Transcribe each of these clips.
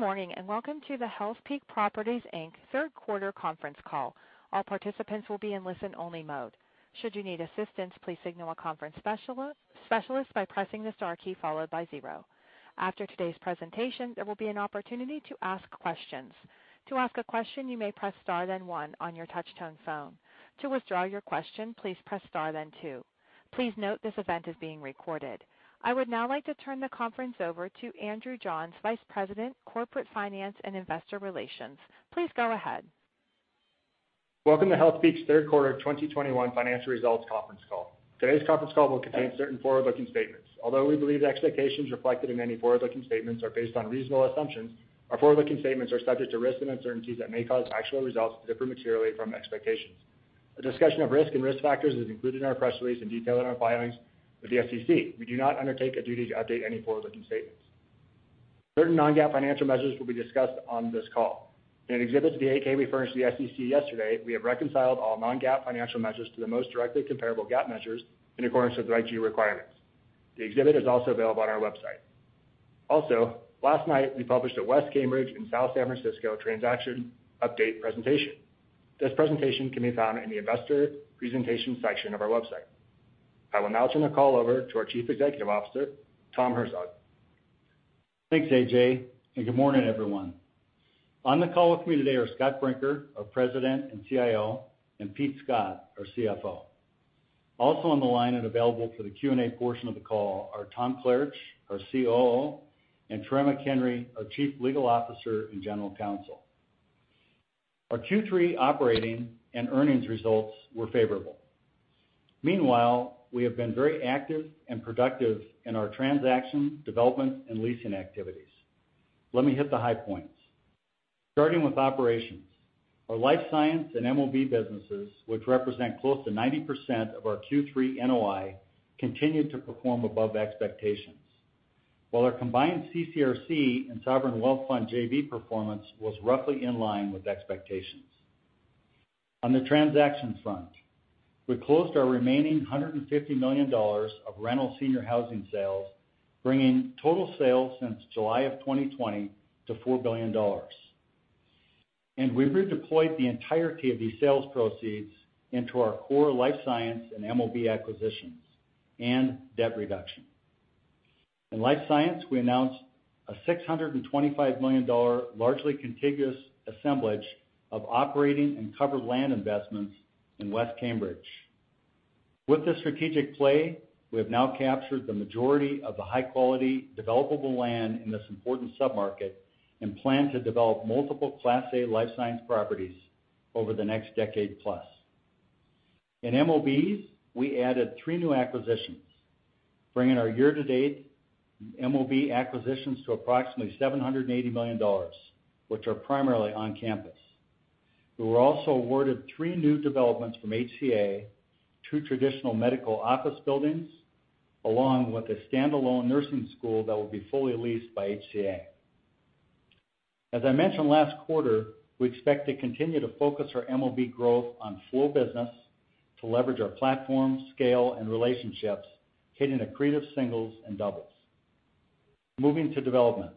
Good morning, and welcome to the Healthpeak Properties, Inc. third quarter conference call. All participants will be in listen-only mode. Should you need assistance, please signal a conference specialist by pressing the star key followed by zero. After today's presentation, there will be an opportunity to ask questions. To ask a question, you may press star then one on your touch-tone phone. To withdraw your question, please press star then two. Please note this event is being recorded. I would now like to turn the conference over to Andrew Johns, Vice President, Corporate Finance and Investor Relations. Please go ahead. Welcome to Healthpeak's third quarter of 2021 financial results conference call. Today's conference call will contain certain forward-looking statements. Although we believe the expectations reflected in any forward-looking statements are based on reasonable assumptions, our forward-looking statements are subject to risks and uncertainties that may cause actual results to differ materially from expectations. A discussion of risk and risk factors is included in our press release in detail in our filings with the SEC. We do not undertake a duty to update any forward-looking statements. Certain non-GAAP financial measures will be discussed on this call. In an exhibit to the 8-K we furnished to the SEC yesterday, we have reconciled all non-GAAP financial measures to the most directly comparable GAAP measures in accordance with the Reg G requirements. The exhibit is also available on our website. Also, last night, we published a West Cambridge and South San Francisco transaction update presentation. This presentation can be found in the investor presentation section of our website. I will now turn the call over to our Chief Executive Officer, Tom Herzog. Thanks, AJ, and good morning, everyone. On the call with me today are Scott Brinker, our President and CIO, and Pete Scott, our CFO. Also on the line and available for the Q&A portion of the call are Tom Klaritch, our COO, and Troy McHenry, our Chief Legal Officer and General Counsel. Our Q3 operating and earnings results were favorable. Meanwhile, we have been very active and productive in our transaction, development, and leasing activities. Let me hit the high points. Starting with operations. Our life science and MOB businesses, which represent close to 90% of our Q3 NOI, continued to perform above expectations. While our combined CCRC and Sovereign Wealth Fund JV performance was roughly in line with expectations. On the transaction front, we closed our remaining $150 million of rental senior housing sales, bringing total sales since July 2020 to $4 billion. We've redeployed the entirety of these sales proceeds into our core life science and MOB acquisitions and debt reduction. In life science, we announced a $625 million largely contiguous assemblage of operating and covered land investments in West Cambridge. With this strategic play, we have now captured the majority of the high-quality developable land in this important submarket and plan to develop multiple Class A life science properties over the next decade plus. In MOB, we added three new acquisitions, bringing our year-to-date MOB acquisitions to approximately $780 million, which are primarily on campus. We were also awarded three new developments from HCA, two traditional medical office buildings, along with a standalone nursing school that will be fully leased by HCA. As I mentioned last quarter, we expect to continue to focus our MOB growth on flow business to leverage our platform, scale, and relationships, hitting accretive singles and doubles. Moving to development.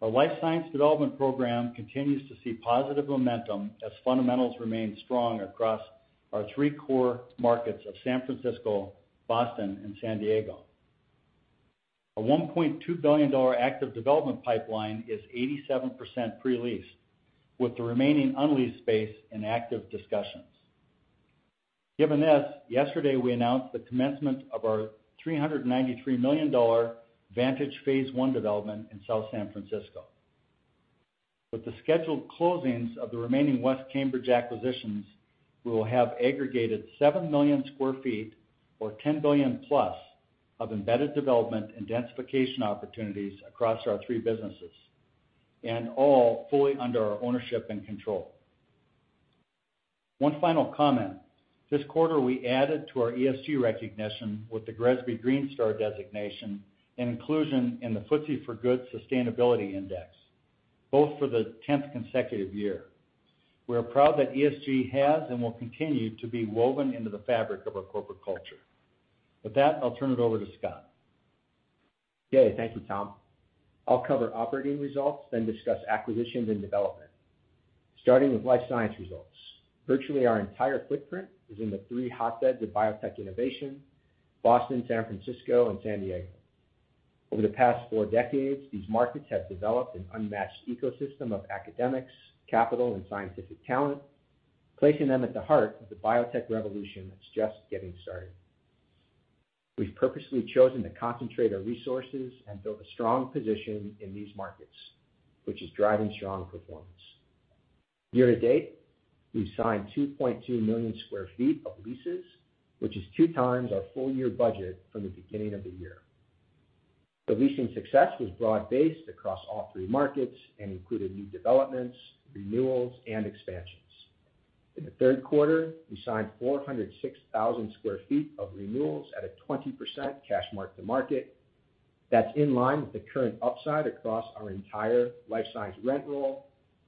Our life science development program continues to see positive momentum as fundamentals remain strong across our three core markets of San Francisco, Boston, and San Diego. Our $1.2 billion active development pipeline is 87% pre-leased, with the remaining unleased space in active discussions. Given this, yesterday we announced the commencement of our $393 million Vantage Phase One development in South San Francisco. With the scheduled closings of the remaining West Cambridge acquisitions, we will have aggregated 7 million sq ft or $10 billion+ of embedded development and densification opportunities across our three businesses, and all fully under our ownership and control. One final comment. This quarter, we added to our ESG recognition with the GRESB Green Star designation and inclusion in the FTSE4Good Sustainability Index, both for the 10th consecutive year. We are proud that ESG has and will continue to be woven into the fabric of our corporate culture. With that, I'll turn it over to Scott. Yeah. Thank you, Tom. I'll cover operating results, then discuss acquisitions and development. Starting with life science results. Virtually our entire footprint is in the three hotbeds of biotech innovation, Boston, San Francisco, and San Diego. Over the past four decades, these markets have developed an unmatched ecosystem of academics, capital, and scientific talent, placing them at the heart of the biotech revolution that's just getting started. We've purposely chosen to concentrate our resources and build a strong position in these markets, which is driving strong performance. Year-to-date, we've signed 2.2 million sq ft of leases, which is 2 times our full year budget from the beginning of the year. The leasing success was broad-based across all three markets and included new developments, renewals, and expansions. In the third quarter, we signed 406,000 sq ft of renewals at a 20% cash mark-to-market. That's in line with the current upside across our entire life science rent roll,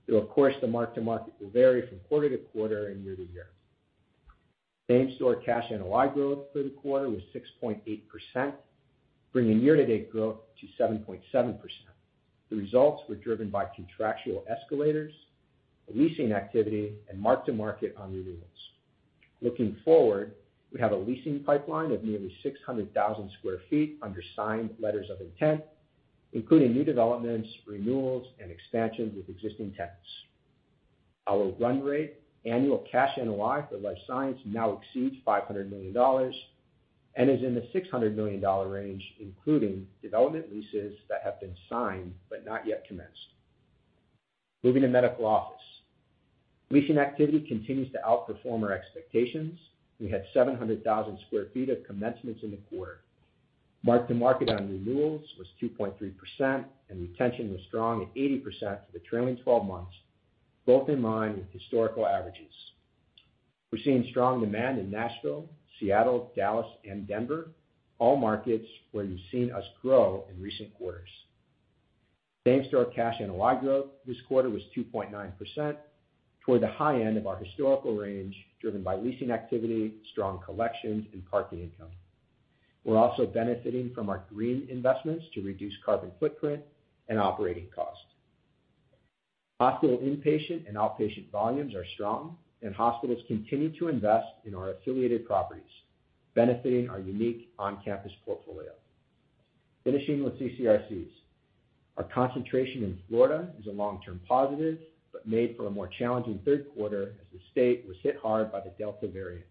though of course, the mark-to-market will vary from quarter to quarter and year to year. Same-store cash NOI growth for the quarter was 6.8%, bringing year-to-date growth to 7.7%. The results were driven by contractual escalators, leasing activity, and mark-to-market on renewals. Looking forward, we have a leasing pipeline of nearly 600,000 sq ft under signed letters of intent, including new developments, renewals, and expansions with existing tenants. Our run rate annual cash NOI for life science now exceeds $500 million and is in the $600 million range, including development leases that have been signed but not yet commenced. Moving to medical office. Leasing activity continues to outperform our expectations. We had 700,000 sq ft of commencements in the quarter. Mark-to-market on renewals was 2.3%, and retention was strong at 80% for the trailing 12 months, both in line with historical averages. We're seeing strong demand in Nashville, Seattle, Dallas, and Denver, all markets where you've seen us grow in recent quarters. Same-store cash NOI growth this quarter was 2.9%, toward the high end of our historical range, driven by leasing activity, strong collections, and parking income. We're also benefiting from our green investments to reduce carbon footprint and operating costs. Hospital inpatient and outpatient volumes are strong, and hospitals continue to invest in our affiliated properties, benefiting our unique on-campus portfolio. Finishing with CCRCs. Our concentration in Florida is a long-term positive, but made for a more challenging third quarter as the state was hit hard by the Delta variant.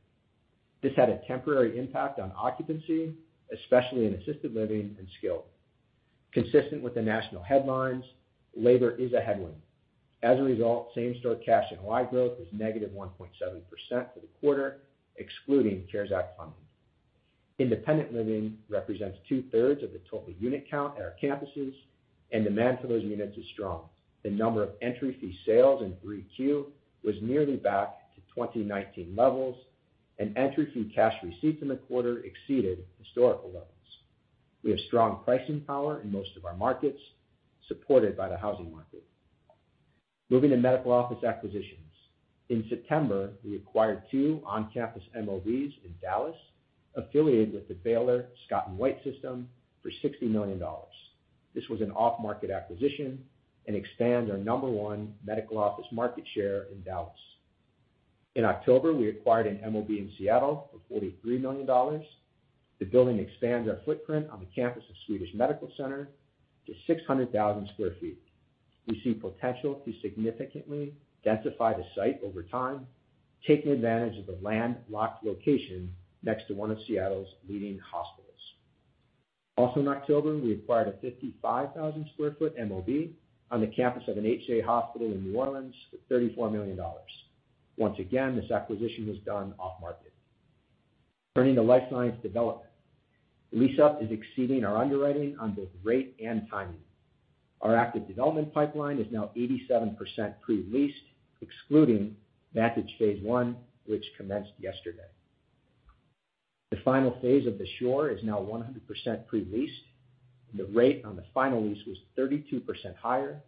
This had a temporary impact on occupancy, especially in assisted living and skilled. Consistent with the national headlines, labor is a headwind. As a result, same-store cash NOI growth was negative 1.7% for the quarter, excluding CARES Act funding. Independent living represents 2/3 of the total unit count at our campuses, and demand for those units is strong. The number of entry fee sales in 3Q was nearly back to 2019 levels, and entry fee cash receipts in the quarter exceeded historical levels. We have strong pricing power in most of our markets, supported by the housing market. Moving to medical office acquisitions. In September, we acquired two on-campus MOBs in Dallas affiliated with the Baylor Scott & White system for $60 million. This was an off-market acquisition and expands our No. 1 medical office market share in Dallas. In October, we acquired an MOB in Seattle for $43 million. The building expands our footprint on the campus of Swedish Medical Center to 600,000 sq ft. We see potential to significantly densify the site over time, taking advantage of the landlocked location next to one of Seattle's leading hospitals. Also in October, we acquired a 55,000 sq ft MOB on the campus of an HCA hospital in New Orleans for $34 million. Once again, this acquisition was done off-market. Turning to life science development. Lease-up is exceeding our underwriting on both rate and timing. Our active development pipeline is now 87% pre-leased, excluding Vantage phase one, which commenced yesterday. The final phase of The Shore is now 100% pre-leased. The rate on the final lease was 32% higher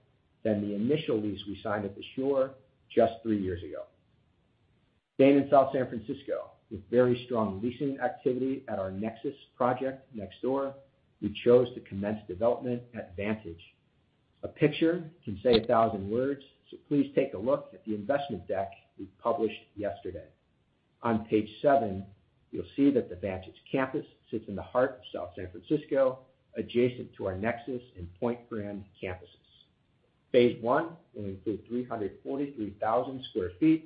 than the initial lease we signed at The Shore just three years ago. Staying in South San Francisco, with very strong leasing activity at our Nexus project next door, we chose to commence development at Vantage. A picture can say 1,000 words, so please take a look at the investment deck we published yesterday. On page seven, you'll see that the Vantage campus sits in the heart of South San Francisco, adjacent to our Nexus and Pointe Grand campuses. Phase one will include 343,000 sq ft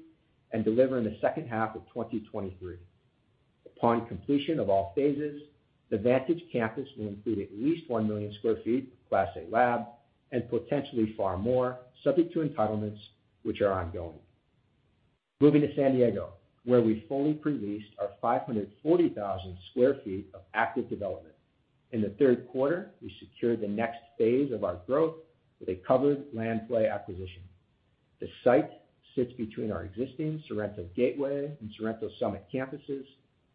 and deliver in the second half of 2023. Upon completion of all phases, the Vantage campus will include at least 1 million sq ft of Class A lab and potentially far more, subject to entitlements which are ongoing. Moving to San Diego, where we fully pre-leased our 540,000 sq ft of active development. In the third quarter, we secured the next phase of our growth with a covered land play acquisition. The site sits between our existing Sorrento Gateway and Sorrento Summit campuses,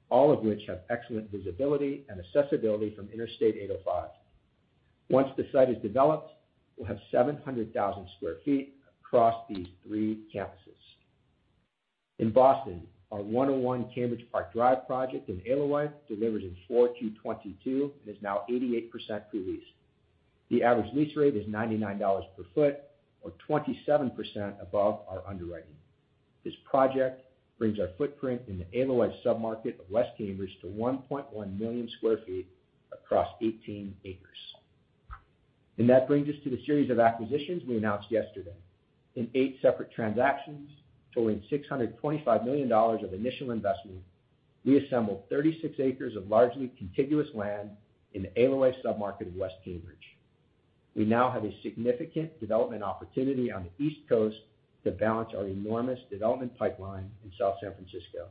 all of which have excellent visibility and accessibility from Interstate 805. Once the site is developed, we'll have 700,000 sq ft across these three campuses. In Boston, our 101 Cambridge Park Drive project in Alewife delivers in Q4 2022 and is now 88% pre-leased. The average lease rate is $99 per sq ft, or $27 above our underwriting. This project brings our footprint in the Alewife submarket of West Cambridge to 1.1 million sq ft across 18 acres. That brings us to the series of acquisitions we announced yesterday. In eight separate transactions totaling $625 million of initial investment, we assembled 36 acres of largely contiguous land in the Alewife submarket of West Cambridge. We now have a significant development opportunity on the East Coast to balance our enormous development pipeline in South San Francisco.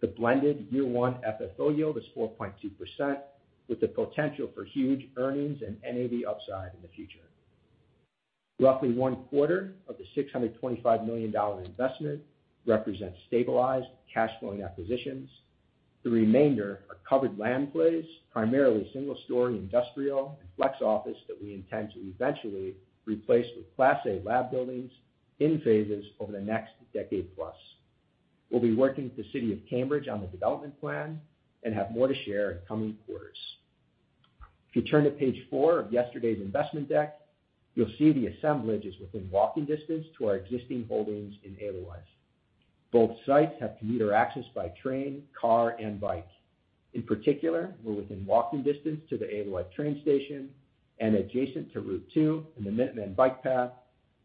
The blended year one FFO yield is 4.2%, with the potential for huge earnings and NAV upside in the future. Roughly one quarter of the $625 million investment represents stabilized cash flowing acquisitions. The remainder are covered land plays, primarily single story industrial and flex office that we intend to eventually replace with class A lab buildings in phases over the next decade plus. We'll be working with the city of Cambridge on the development plan and have more to share in coming quarters. If you turn to page four of yesterday's investment deck, you'll see the assemblage is within walking distance to our existing holdings in Alewife. Both sites have commuter access by train, car and bike. In particular, we're within walking distance to the Alewife train station and adjacent to Route 2 and the Minuteman Bikeway,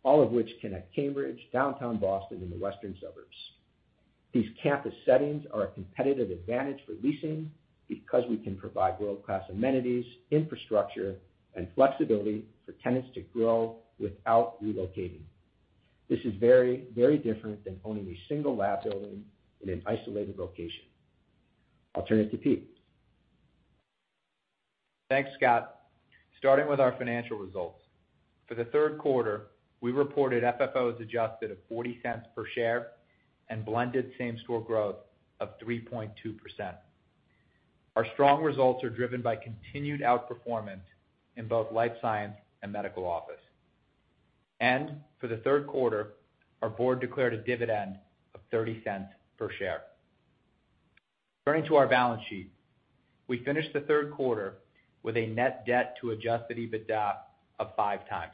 all of which connect Cambridge, downtown Boston, and the western suburbs. These campus settings are a competitive advantage for leasing because we can provide world-class amenities, infrastructure, and flexibility for tenants to grow without relocating. This is very, very different than owning a single lab building in an isolated location. I'll turn it to Pete. Thanks, Scott. Starting with our financial results. For the third quarter, we reported FFO as adjusted of $0.40 per share and blended same-store growth of 3.2%. Our strong results are driven by continued outperformance in both life science and medical office. For the third quarter, our board declared a dividend of $0.30 per share. Turning to our balance sheet, we finished the third quarter with a net debt to adjusted EBITDA of 5x.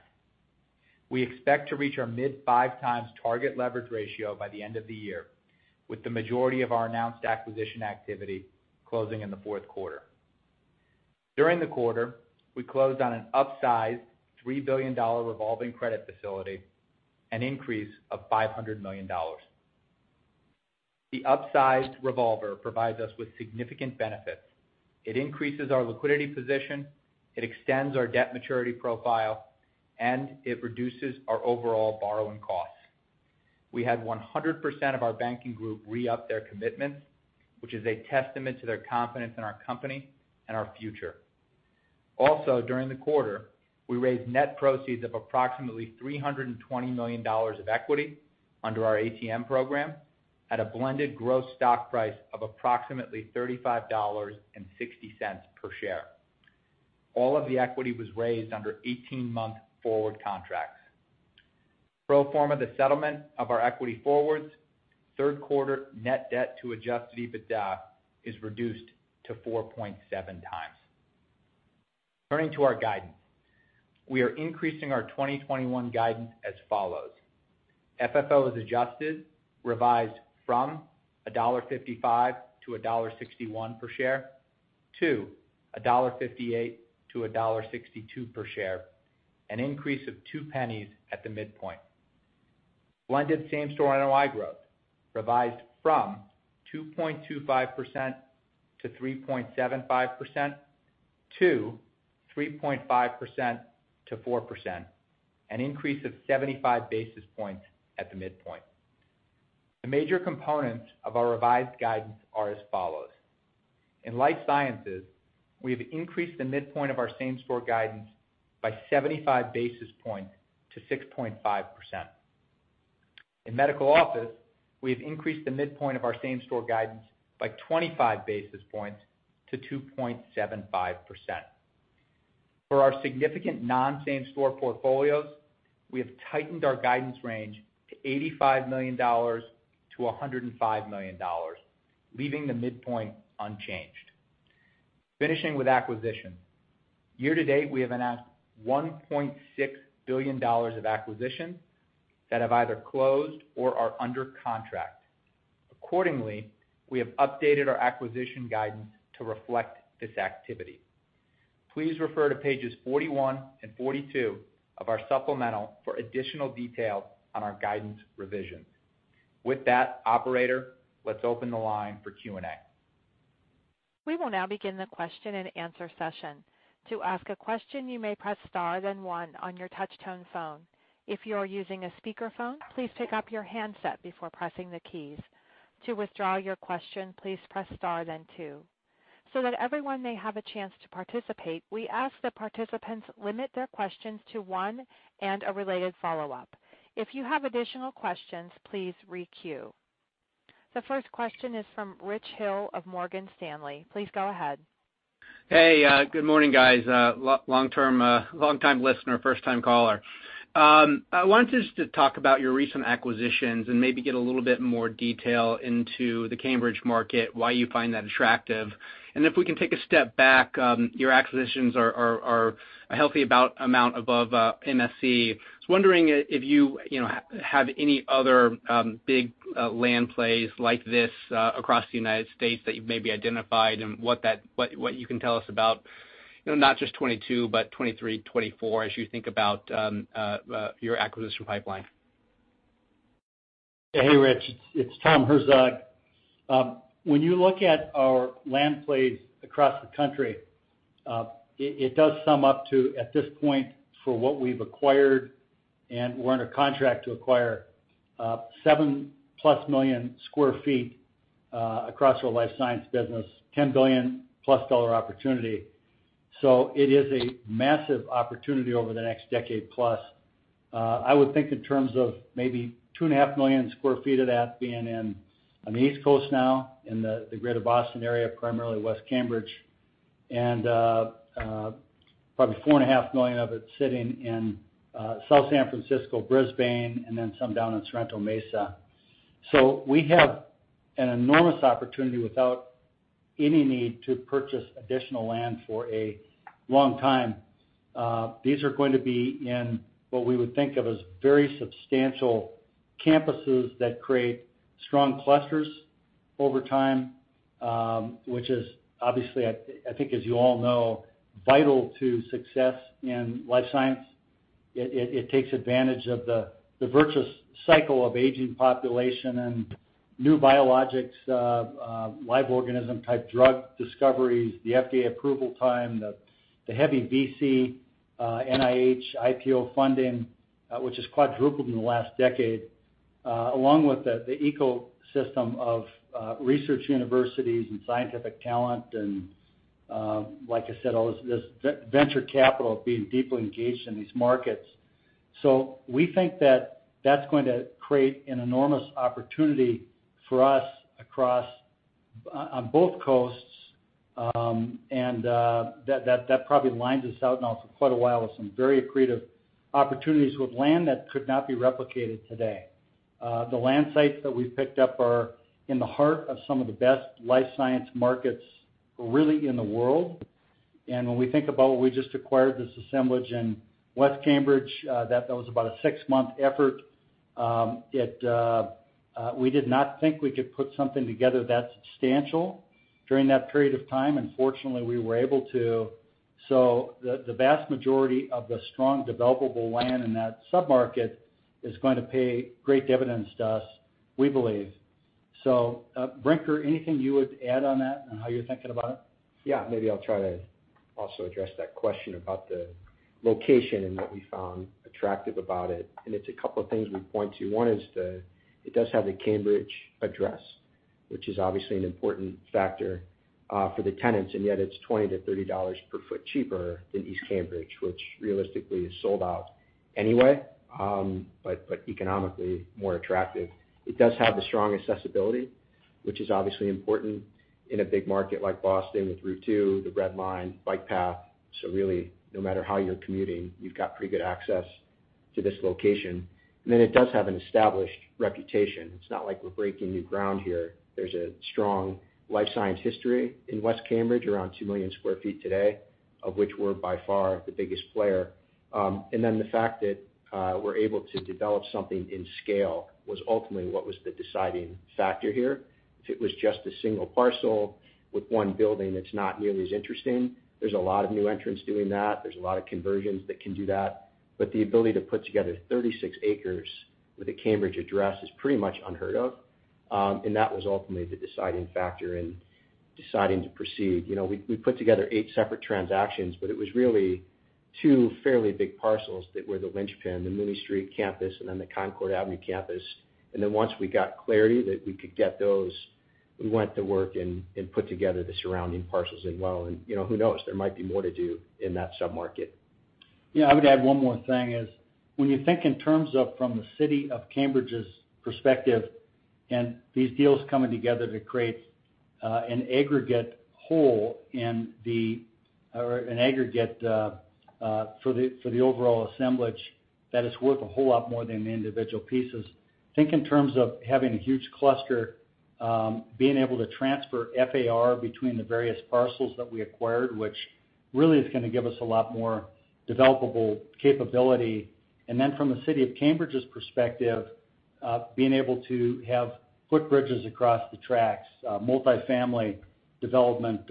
We expect to reach our mid-5x target leverage ratio by the end of the year, with the majority of our announced acquisition activity closing in the fourth quarter. During the quarter, we closed on an upsized $3 billion revolving credit facility, an increase of $500 million. The upsized revolver provides us with significant benefits. It increases our liquidity position, it extends our debt maturity profile, and it reduces our overall borrowing costs. We had 100% of our banking group re-up their commitments, which is a testament to their confidence in our company and our future. Also, during the quarter, we raised net proceeds of approximately $320 million of equity under our ATM program at a blended gross stock price of approximately $35.60 per share. All of the equity was raised under 18-month forward contracts. Pro forma the settlement of our equity forwards, third quarter net debt to adjusted EBITDA is reduced to 4.7x. Turning to our guidance. We are increasing our 2021 guidance as follows. FFO as adjusted, revised from $1.55-$1.61 per share to $1.58-$1.62 per share, an increase of two pennies at the midpoint. Blended same-store NOI growth revised from 2.25%-3.75% to 3.5%-4%, an increase of 75 basis points at the midpoint. The major components of our revised guidance are as follows. In life sciences, we have increased the midpoint of our same store guidance by 75 basis points to 6.5%. In medical office, we have increased the midpoint of our same store guidance by 25 basis points to 2.75%. For our significant non-same store portfolios, we have tightened our guidance range to $85 million-$105 million, leaving the midpoint unchanged. Finishing with acquisitions. Year-to-date, we have announced $1.6 billion of acquisitions that have either closed or are under contract. Accordingly, we have updated our acquisition guidance to reflect this activity. Please refer to pages 41 and 42 of our supplemental for additional detail on our guidance revisions. With that, operator, let's open the line for Q&A. We will now begin the question and answer session. To ask a question, you may press star, then one on your touchtone phone. If you are using a speakerphone, please pick up your handset before pressing the keys. To withdraw your question, please press star then two. So that everyone may have a chance to participate, we ask that participants limit their questions to one and a related follow-up. If you have additional questions, please re-queue. The first question is from Rich Hill of Morgan Stanley. Please go ahead. Hey, good morning, guys. Longtime listener, first-time caller. I wanted just to talk about your recent acquisitions and maybe get a little bit more detail into the Cambridge market, why you find that attractive. If we can take a step back, your acquisitions are a healthy amount above MSC. I was wondering if you know, have any other big land plays like this across the United States that you've maybe identified and what you can tell us about, you know, not just 2022, but 2023, 2024 as you think about your acquisition pipeline. Hey, Rich, it's Tom Herzog. When you look at our land plays across the country, it does sum up to, at this point, for what we've acquired, and we're under contract to acquire, 7+ million sq ft across our life science business, $10 billion+ opportunity. It is a massive opportunity over the next decade plus. I would think in terms of maybe 2.5 million sq ft of that being on the East Coast now, in the Greater Boston area, primarily West Cambridge, and probably 4.5 million sq ft of it sitting in South San Francisco, Brisbane, and then some down in Sorrento Mesa. We have an enormous opportunity without any need to purchase additional land for a long time. These are going to be in what we would think of as very substantial campuses that create strong clusters over time, which is obviously, I think as you all know, vital to success in life science. It takes advantage of the virtuous cycle of aging population and new biologics, live organism-type drug discoveries, the FDA approval time, the heavy VC, NIH, IPO funding, which has quadrupled in the last decade, along with the ecosystem of research universities and scientific talent, and like I said, all this venture capital being deeply engaged in these markets. We think that that's going to create an enormous opportunity for us across on both coasts, and that probably lines us out now for quite a while with some very accretive opportunities with land that could not be replicated today. The land sites that we've picked up are in the heart of some of the best life science markets really in the world. When we think about what we just acquired, this assemblage in West Cambridge, that was about a six-month effort. We did not think we could put something together that substantial during that period of time, and fortunately, we were able to. The vast majority of the strong developable land in that sub-market is going to pay great dividends to us, we believe. Brinker, anything you would add on that and how you're thinking about it? Yeah. Maybe I'll try to also address that question about the location and what we found attractive about it. It's a couple of things we point to. One is it does have the Cambridge address, which is obviously an important factor for the tenants, and yet it's $20-$30 per foot cheaper than East Cambridge, which realistically is sold out anyway, but economically more attractive. It does have the strong accessibility, which is obviously important in a big market like Boston with Route 2, the Red Line, bike path. Really, no matter how you're commuting, you've got pretty good access to this location. Then it does have an established reputation. It's not like we're breaking new ground here. There's a strong life science history in West Cambridge, around 2 million sq ft today, of which we're by far the biggest player. The fact that we're able to develop something in scale was ultimately what was the deciding factor here. If it was just a single parcel with one building that's not nearly as interesting, there's a lot of new entrants doing that. There's a lot of conversions that can do that. The ability to put together 36 acres with a Cambridge address is pretty much unheard of, and that was ultimately the deciding factor in deciding to proceed. You know, we put together 8 separate transactions, but it was really two fairly big parcels that were the linchpin, the Mooney Street campus, and then the Concord Avenue campus. Once we got clarity that we could get those, we went to work and put together the surrounding parcels as well. You know, who knows? There might be more to do in that sub-market. Yeah. I would add one more thing is when you think in terms of from the city of Cambridge's perspective and these deals coming together to create an aggregate for the overall assemblage, that is worth a whole lot more than the individual pieces. Think in terms of having a huge cluster, being able to transfer FAR between the various parcels that we acquired, which really is gonna give us a lot more developable capability. Then from the city of Cambridge's perspective, being able to have footbridges across the tracks, multifamily development,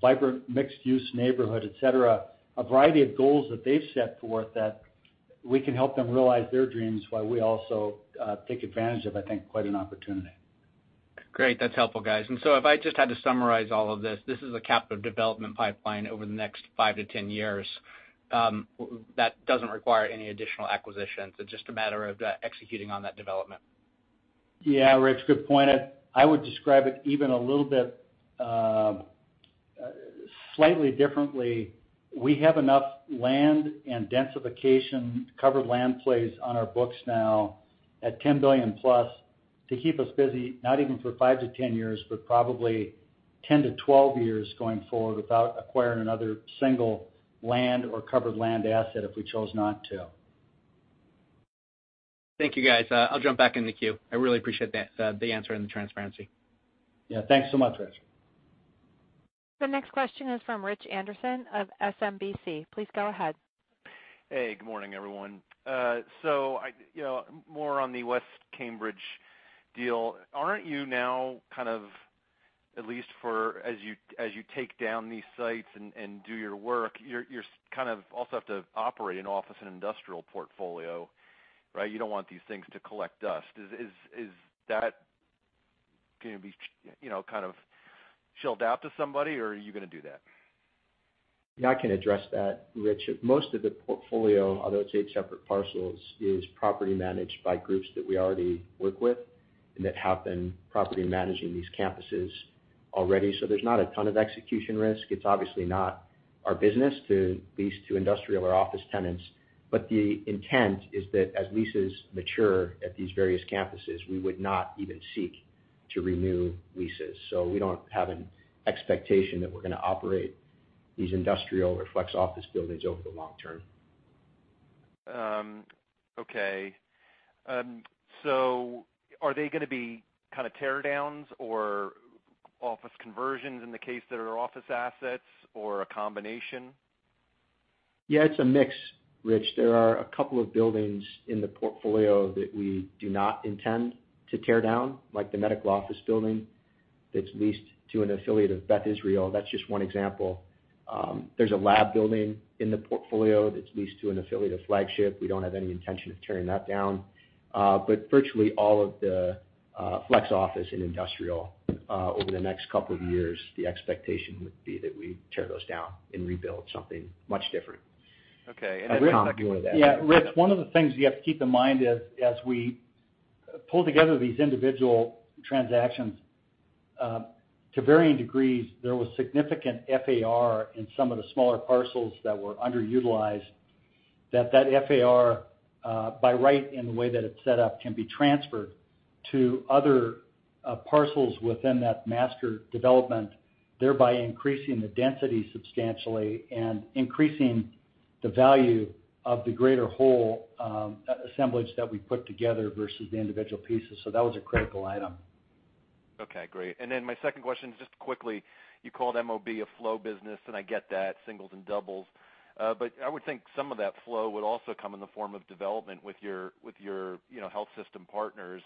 vibrant mixed-use neighborhood, et cetera, a variety of goals that they've set forth that we can help them realize their dreams while we also take advantage of, I think, quite an opportunity. Great. That's helpful, guys. If I just had to summarize all of this is a capital development pipeline over the next five to 10 years that doesn't require any additional acquisitions. It's just a matter of executing on that development. Yeah. Rich, good point. I would describe it even a little bit, slightly differently. We have enough land and densification-covered land plays on our books now at $10 billion+ to keep us busy, not even for five to 10 years, but probably 10 to 12 years going forward without acquiring another single land or covered land asset if we chose not to. Thank you, guys. I'll jump back in the queue. I really appreciate that, the answer and the transparency. Yeah. Thanks so much, Rich. The next question is from Rich Anderson of SMBC. Please go ahead. Hey, good morning, everyone. You know, more on the West Cambridge deal. Aren't you now kind of, at least for as you take down these sites and do your work, you're kind of also have to operate an office and industrial portfolio, right? You don't want these things to collect dust. Is that gonna be, you know, kind of shilled out to somebody, or are you gonna do that? Yeah, I can address that, Rich. Most of the portfolio, although it's eight separate parcels, is property managed by groups that we already work with and that have been property managing these campuses already. There's not a ton of execution risk. It's obviously not our business to lease to industrial or office tenants. The intent is that as leases mature at these various campuses, we would not even seek to renew leases. We don't have an expectation that we're gonna operate these industrial or flex office buildings over the long term. Are they gonna be kind of teardowns or office conversions in the case that are office assets or a combination? Yeah, it's a mix, Rich. There are a couple of buildings in the portfolio that we do not intend to tear down, like the medical office building that's leased to an affiliate of Beth Israel. That's just one example. There's a lab building in the portfolio that's leased to an affiliate of Flagship. We don't have any intention of tearing that down. Virtually all of the flex office and industrial over the next couple of years, the expectation would be that we tear those down and rebuild something much different. Okay. Yeah, Rich, one of the things you have to keep in mind is, as we pull together these individual transactions, to varying degrees, there was significant FAR in some of the smaller parcels that were underutilized, that FAR, by right in the way that it's set up, can be transferred to other, parcels within that master development, thereby increasing the density substantially and increasing the value of the greater whole, assemblage that we put together versus the individual pieces. That was a critical item. Okay. Great. Then my second question is just quickly, you called MOB a flow business, and I get that, singles and doubles. I would think some of that flow would also come in the form of development with your you know, health system partners.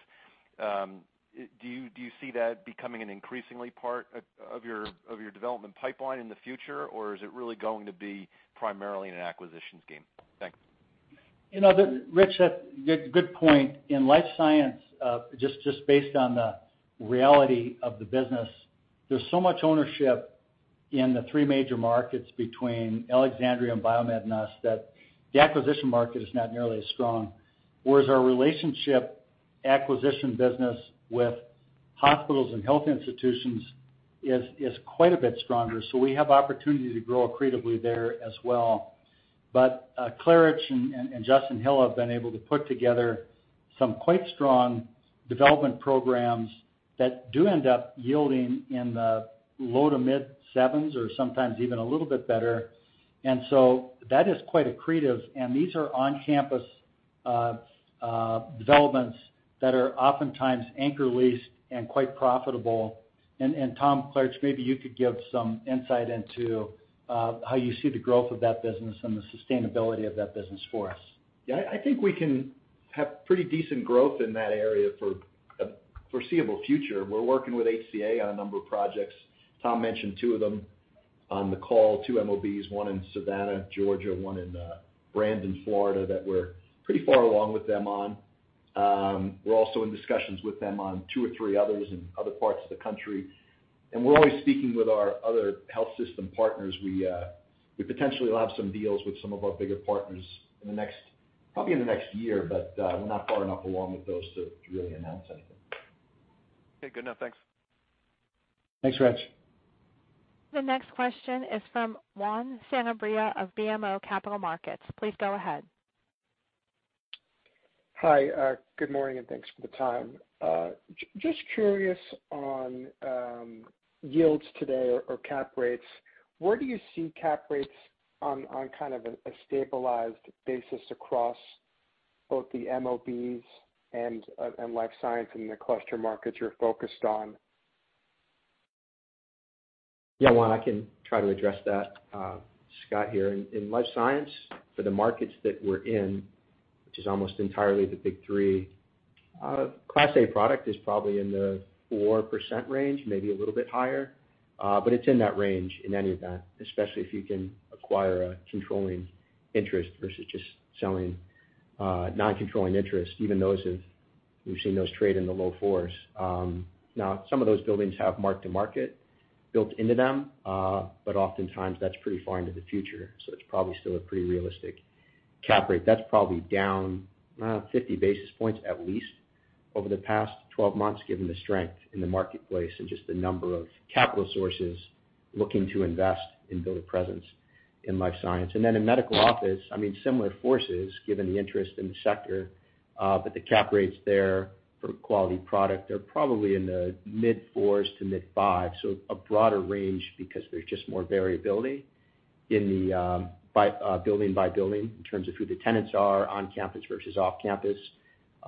Do you see that becoming an increasingly part of your development pipeline in the future, or is it really going to be primarily in an acquisitions game? Thanks. You know, Rich, that good point. In life science, just based on the reality of the business, there's so much ownership in the three major markets between Alexandria and BioMed that the acquisition market is not nearly as strong, whereas our relationship acquisition business with hospitals and health institutions is quite a bit stronger. We have opportunity to grow accretively there as well. Klaritch and Justin Hill have been able to put together some quite strong development programs that do end up yielding in the low to mid-7s or sometimes even a little bit better. That is quite accretive. These are on-campus developments that are oftentimes anchor leased and quite profitable. Tom Klaritch, maybe you could give some insight into how you see the growth of that business and the sustainability of that business for us. Yeah. I think we can have pretty decent growth in that area for the foreseeable future. We're working with HCA on a number of projects. Tom mentioned two of them on the call, two MOBs, one in Savannah, Georgia, one in Brandon, Florida, that we're pretty far along with them on. We're also in discussions with them on two or three others in other parts of the country. We're always speaking with our other health system partners. We potentially will have some deals with some of our bigger partners probably in the next year, but we're not far enough along with those to really announce anything. Okay. Good enough. Thanks. Thanks, Rich. The next question is from Juan Sanabria of BMO Capital Markets. Please go ahead. Hi. Good morning, and thanks for the time. Just curious on yields today or cap rates. Where do you see cap rates on kind of a stabilized basis across both the MOBs and life science in the cluster markets you're focused on? Yeah, Juan, I can try to address that, Scott here. In life science, for the markets that we're in, which is almost entirely the big three, class A product is probably in the 4% range, maybe a little bit higher. But it's in that range in any event, especially if you can acquire a controlling interest versus just selling non-controlling interest, even those have. We've seen those trade in the low 4s. Now some of those buildings have mark-to-market built into them, but oftentimes that's pretty far into the future. It's probably still a pretty realistic cap rate. That's probably down 50 basis points at least over the past 12 months, given the strength in the marketplace and just the number of capital sources looking to invest and build a presence in life science. In medical office, I mean, similar forces given the interest in the sector, but the cap rates there for quality product are probably in the mid-4s to mid-5s. A broader range because there's just more variability by building by building in terms of who the tenants are on campus versus off campus.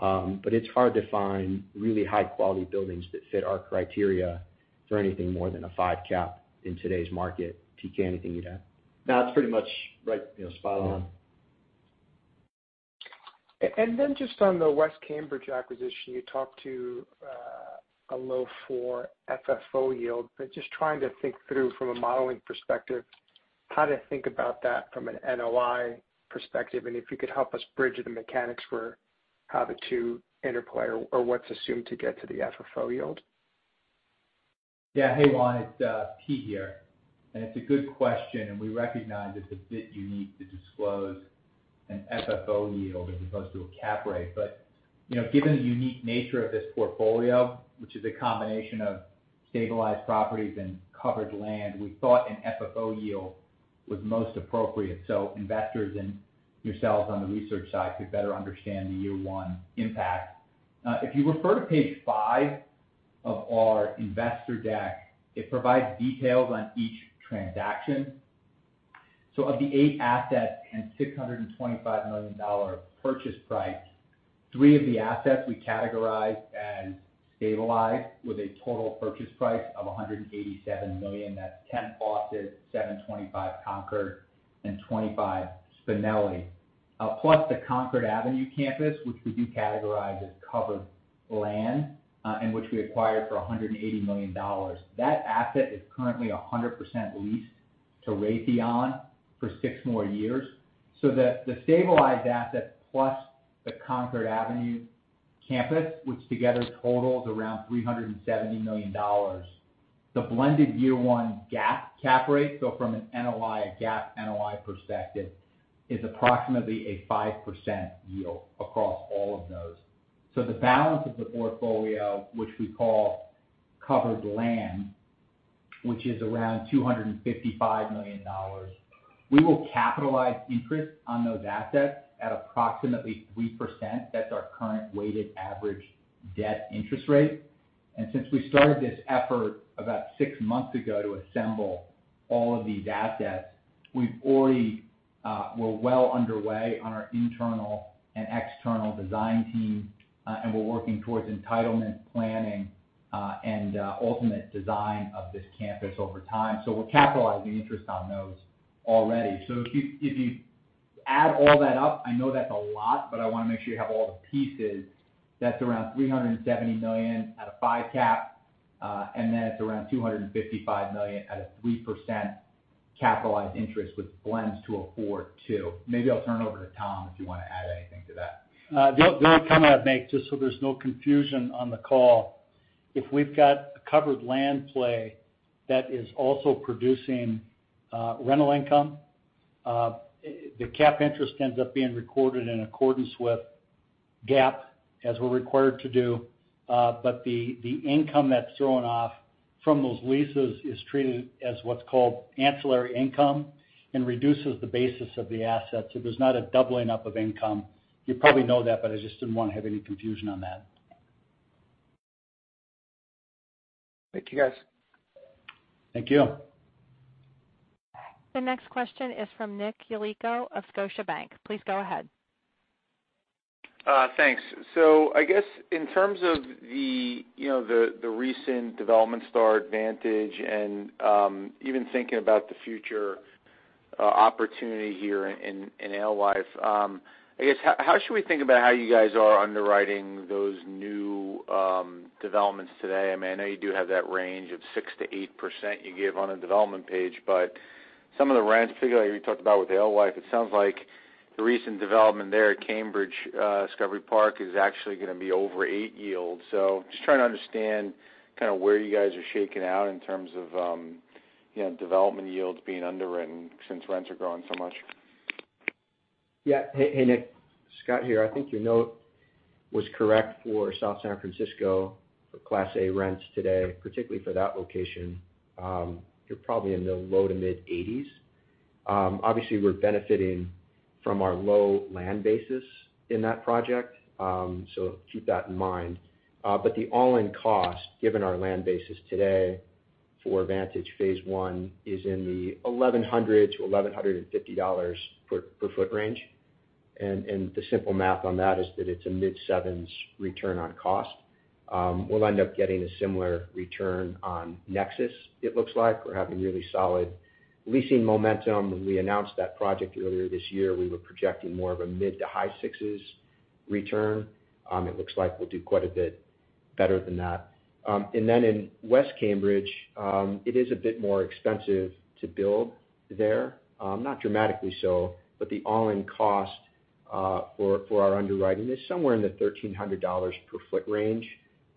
It's hard to find really high-quality buildings that fit our criteria for anything more than a 5% cap in today's market. TK, anything you'd add? No, that's pretty much right, you know, spot on. Then just on the West Cambridge acquisition, you talked to a low four FFO yield, but just trying to think through from a modeling perspective how to think about that from an NOI perspective, and if you could help us bridge the mechanics for how the two interplay or what's assumed to get to the FFO yield? Yeah. Hey, Juan, it's Pete here. It's a good question, and we recognize it's a bit unique to disclose an FFO yield as opposed to a cap rate. You know, given the unique nature of this portfolio, which is a combination of stabilized properties and covered land, we thought an FFO yield was most appropriate so investors and yourselves on the research side could better understand the year one impact. If you refer to page five of our investor deck, it provides details on each transaction. Of the 8 assets and $625 million purchase price, three of the assets we categorized as stabilized with a total purchase price of $187 million. That's 10 Boston, 725 Concord, and 25 Spinelli. Plus the Concord Avenue campus, which we do categorize as covered land, and which we acquired for $180 million. That asset is currently 100% leased to Raytheon for six more years. The stabilized asset plus the Concord Avenue campus, which together totals around $370 million. The blended year one GAAP cap rate, from a GAAP NOI perspective, is approximately a 5% yield across all of those. The balance of the portfolio, which we call covered land, which is around $255 million, we will capitalize interest on those assets at approximately 3%. That's our current weighted average debt interest rate. Since we started this effort about six months ago to assemble all of these assets, we've already, we're well underway on our internal and external design team, and we're working towards entitlement planning, and ultimate design of this campus over time. We're capitalizing interest on those already. If you add all that up, I know that's a lot, but I wanna make sure you have all the pieces. That's around $370 million at a 5% cap, and then it's around $255 million at a 3% capitalized interest, which blends to a 4.2%. Maybe I'll turn it over to Tom, if you wanna add anything to that. The only comment I'd make, just so there's no confusion on the call. If we've got a covered land play that is also producing rental income, the cap interest ends up being recorded in accordance with GAAP, as we're required to do, but the income that's thrown off from those leases is treated as what's called ancillary income and reduces the basis of the assets. There's not a doubling up of income. You probably know that, but I just didn't wanna have any confusion on that. Thank you, guys. Thank you. The next question is from Nick Yulico of Scotiabank. Please go ahead. Thanks. I guess in terms of, you know, the recent development's advantage and even thinking about the future opportunity here in Alewife, I guess how should we think about how you guys are underwriting those new developments today? I mean, I know you do have that range of 6%-8% you give on the development page, but some of the rents, particularly you talked about with Alewife, it sounds like the recent development there at Cambridge Discovery Park is actually gonna be over 8% yield. Just trying to understand kinda where you guys are shaking out in terms of, you know, development yields being underwritten since rents are growing so much. Yeah. Hey, Nick, Scott here. I think your note was correct for South San Francisco for Class A rents today, particularly for that location. You're probably in the low to mid-80s. Obviously, we're benefiting from our low land basis in that project. So keep that in mind. But the all-in cost, given our land basis today for Vantage phase I is in the $1,100-$1,150 per sq ft range. The simple math on that is that it's a mid-7s return on cost. We'll end up getting a similar return on Nexus, it looks like. We're having really solid leasing momentum. When we announced that project earlier this year, we were projecting more of a mid to high-6s return. It looks like we'll do quite a bit better than that. In West Cambridge, it is a bit more expensive to build there. Not dramatically so, but the all-in cost for our underwriting is somewhere in the $1,300 per sq ft range.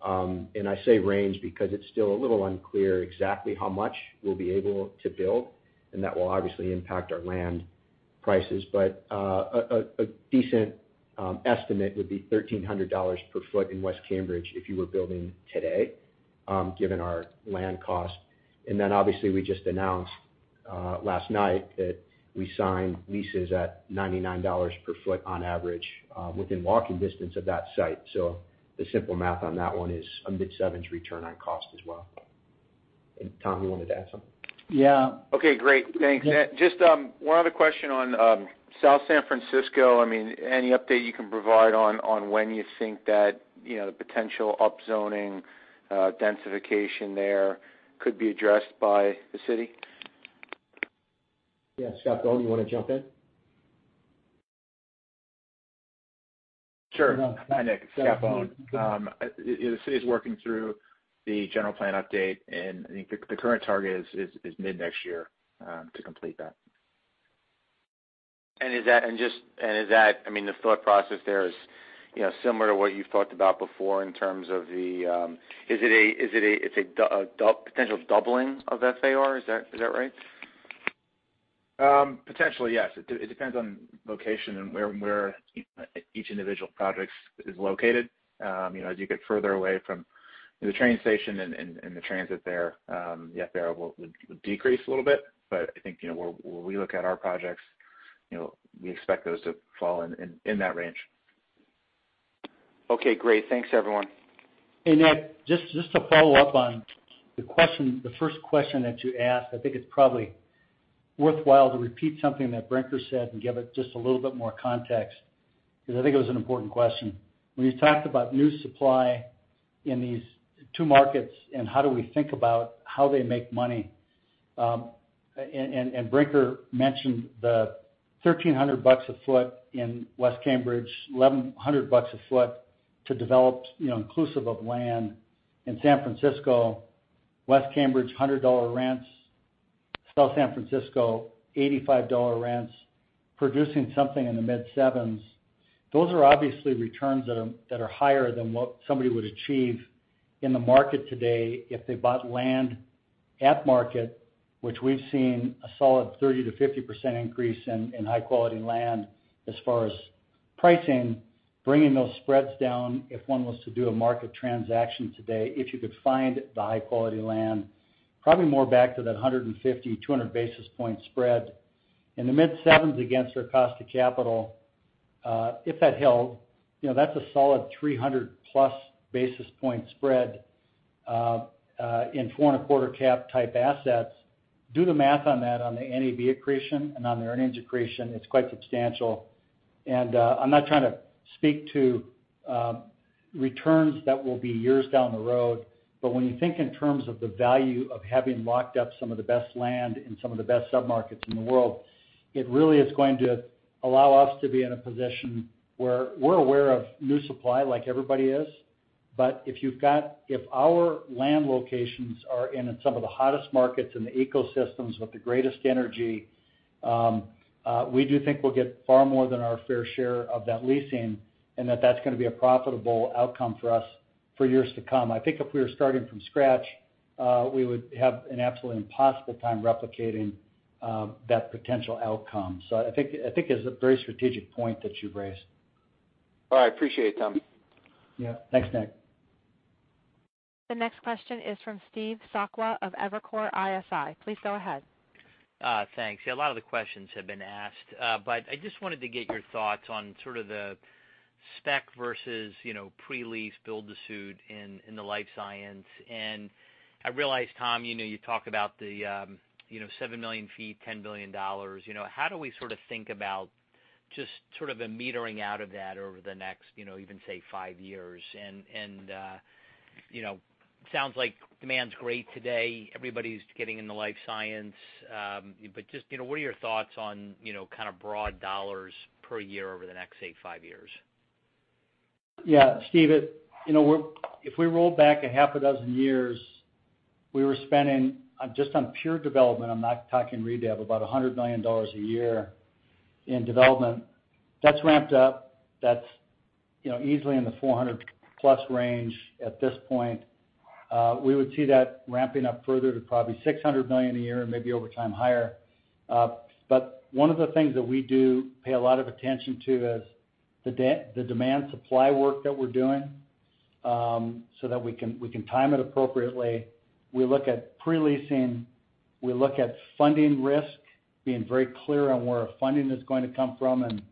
I say range because it's still a little unclear exactly how much we'll be able to build, and that will obviously impact our land prices. A decent estimate would be $1,300 per sq ft in West Cambridge if you were building today, given our land cost. Obviously we just announced last night that we signed leases at $99 per sq ft on average, within walking distance of that site. The simple math on that one is a mid-sevens return on cost as well. Tom, you wanted to add something? Yeah. Okay, great. Thanks. Just one other question on South San Francisco. I mean, any update you can provide on when you think that, you know, the potential upzoning, densification there could be addressed by the city? Yeah. Scott Bohn, you wanna jump in? Sure. Hi, Nick. Scott Bohn. The city is working through the general plan update, and I think the current target is mid-next year to complete that. Is that, I mean, the thought process there is, you know, similar to what you've talked about before in terms of the potential doubling of FAR? Is that right? Potentially, yes. It depends on location and where each individual project is located. You know, as you get further away from the train station and the transit there, yeah, FAR will decrease a little bit. I think, you know, when we look at our projects, you know, we expect those to fall in that range. Okay, great. Thanks, everyone. Hey, Nick, just to follow up on the question, the first question that you asked, I think it's probably worthwhile to repeat something that Brinker said and give it just a little bit more context because I think it was an important question. When you talked about new supply in these two markets and how do we think about how they make money, and Brinker mentioned the $1,300 a foot in West Cambridge, $1,100 a foot to develop, you know, inclusive of land in San Francisco, West Cambridge, $100 rents, South San Francisco, $85 rents, producing something in the mid-7s. Those are obviously returns that are higher than what somebody would achieve in the market today if they bought land at market, which we've seen a solid 30%-50% increase in high quality land as far as pricing, bringing those spreads down if one was to do a market transaction today, if you could find the high quality land, probably more back to that 150-200 basis point spread. In the mid-7s against our cost of capital, if that held, you know, that's a solid 300+ basis point spread in 4.25% cap type assets. Do the math on that on the NAV accretion and on the earnings accretion. It's quite substantial. I'm not trying to speak to returns that will be years down the road, but when you think in terms of the value of having locked up some of the best land in some of the best submarkets in the world, it really is going to allow us to be in a position where we're aware of new supply like everybody is. If our land locations are in some of the hottest markets in the ecosystems with the greatest energy, we do think we'll get far more than our fair share of that leasing, and that's gonna be a profitable outcome for us for years to come. I think if we were starting from scratch, we would have an absolutely impossible time replicating that potential outcome. I think it's a very strategic point that you've raised. All right. I appreciate it, Tom. Yeah. Thanks, Nick. The next question is from Steve Sakwa of Evercore ISI. Please go ahead. Thanks. Yeah, a lot of the questions have been asked. But I just wanted to get your thoughts on sort of the spec versus, you know, pre-lease build to suit in the life science. I realize, Tom, you know, you talk about the 7 million ft, $10 billion. You know, how do we sort of think about just sort of a metering out of that over the next, you know, even, say, five years? You know, sounds like demand's great today. Everybody's getting in the life science. But just, you know, what are your thoughts on, you know, kind of broad dollars per year over the next, say, five years? Yeah. Steve. You know, if we roll back six years, we were spending, just on pure development, I'm not talking redev, about $100 million a year in development. That's ramped up. That's, you know, easily in the $400+ range at this point. We would see that ramping up further to probably $600 million a year and maybe over time higher. One of the things that we do pay a lot of attention to is the demand supply work that we're doing, so that we can time it appropriately. We look at pre-leasing. We look at funding risk, being very clear on where our funding is going to come from.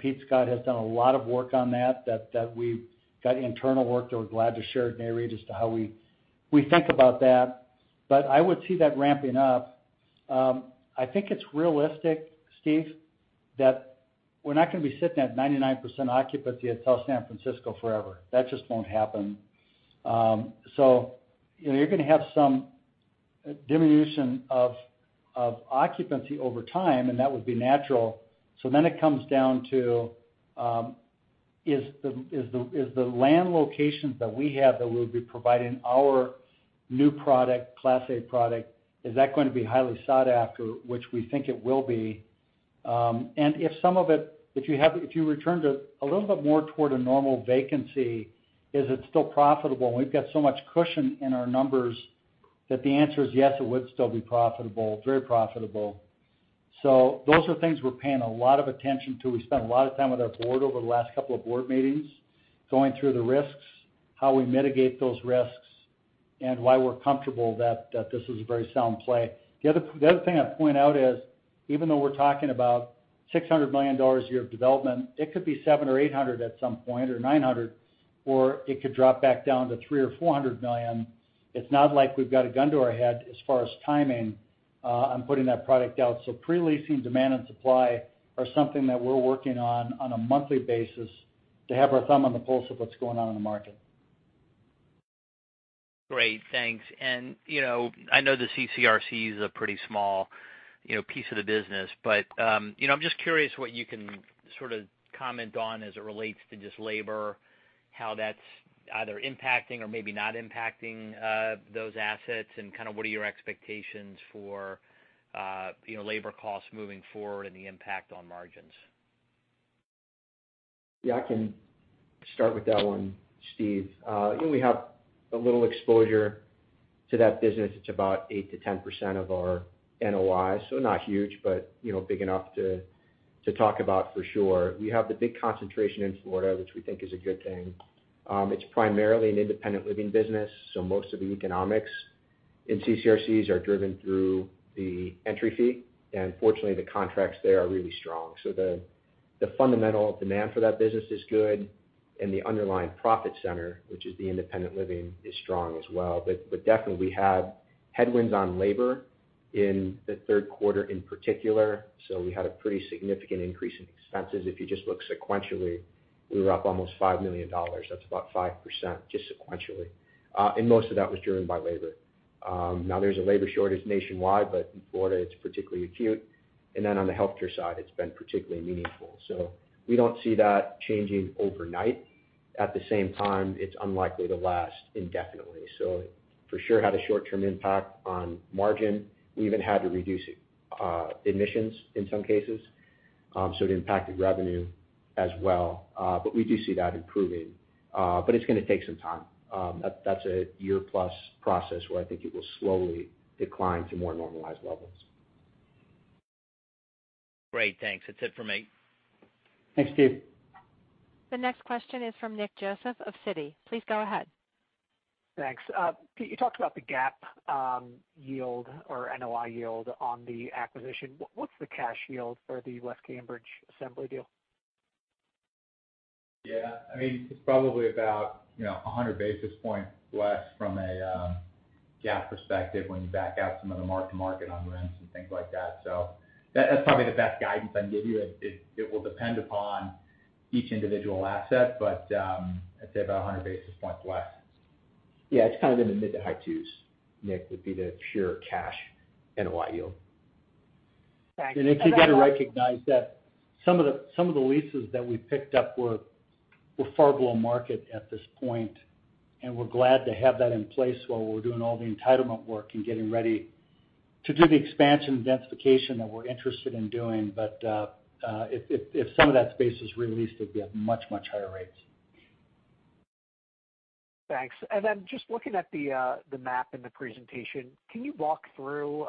Pete Scott has done a lot of work on that that we've got internal work that we're glad to share at Nareit as to how we think about that. I would see that ramping up. I think it's realistic, Steve, that we're not gonna be sitting at 99% occupancy at South San Francisco forever. That just won't happen. You know, you're gonna have some diminution of occupancy over time, and that would be natural. It comes down to is the land locations that we have that we'll be providing our new product, Class A product, is that going to be highly sought after, which we think it will be. If you return to a little bit more toward a normal vacancy, is it still profitable? We've got so much cushion in our numbers that the answer is yes, it would still be profitable, very profitable. Those are things we're paying a lot of attention to. We spent a lot of time with our board over the last couple of board meetings, going through the risks, how we mitigate those risks, and why we're comfortable that this is a very sound play. The other thing I'd point out is, even though we're talking about $600 million a year of development, it could be $700-$800 million at some point, or $900 million, or it could drop back down to $300-$400 million. It's not like we've got a gun to our head as far as timing on putting that product out. Pre-leasing demand and supply are something that we're working on a monthly basis to have our thumb on the pulse of what's going on in the market. Great. Thanks. You know, I know the CCRC is a pretty small, you know, piece of the business. You know, I'm just curious what you can sort of comment on as it relates to just labor, how that's either impacting or maybe not impacting those assets. Kind of what are your expectations for, you know, labor costs moving forward and the impact on margins? Yeah, I can start with that one, Steve. You know, we have a little exposure to that business. It's about 8%-10% of our NOI, so not huge, but you know, big enough to talk about for sure. We have the big concentration in Florida, which we think is a good thing. It's primarily an independent living business, so most of the economics in CCRCs are driven through the entry fee. Fortunately, the contracts there are really strong. The fundamental demand for that business is good and the underlying profit center, which is the independent living, is strong as well. But definitely we had headwinds on labor in the third quarter in particular, so we had a pretty significant increase in expenses. If you just look sequentially, we were up almost $5 million. That's about 5% just sequentially. Most of that was driven by labor. Now there's a labor shortage nationwide, but in Florida, it's particularly acute. Then on the healthcare side, it's been particularly meaningful. We don't see that changing overnight. At the same time, it's unlikely to last indefinitely. For sure, had a short-term impact on margin. We even had to reduce admissions in some cases, so it impacted revenue as well. We do see that improving, but it's gonna take some time. That's a year-plus process where I think it will slowly decline to more normalized levels. Great. Thanks. That's it for me. Thanks, Steve. The next question is from Nick Joseph of Citi. Please go ahead. Thanks. Pete, you talked about the GAAP yield or NOI yield on the acquisition. What's the cash yield for the West Cambridge Assembly deal? Yeah. I mean, it's probably about, you know, 100 basis points less from a GAAP perspective when you back out some of the mark-to-market on rents and things like that. That's probably the best guidance I can give you. It will depend upon each individual asset, but I'd say about 100 basis points less. Yeah, it's kind of in the mid to high-2s, Nick, would be the pure cash NOI yield. Thanks. Nick, you got to recognize that some of the leases that we picked up were far below market at this point, and we're glad to have that in place while we're doing all the entitlement work and getting ready to do the expansion and densification that we're interested in doing. If some of that space is re-leased, it'd be at much, much higher rates. Thanks. Then just looking at the map in the presentation, can you walk through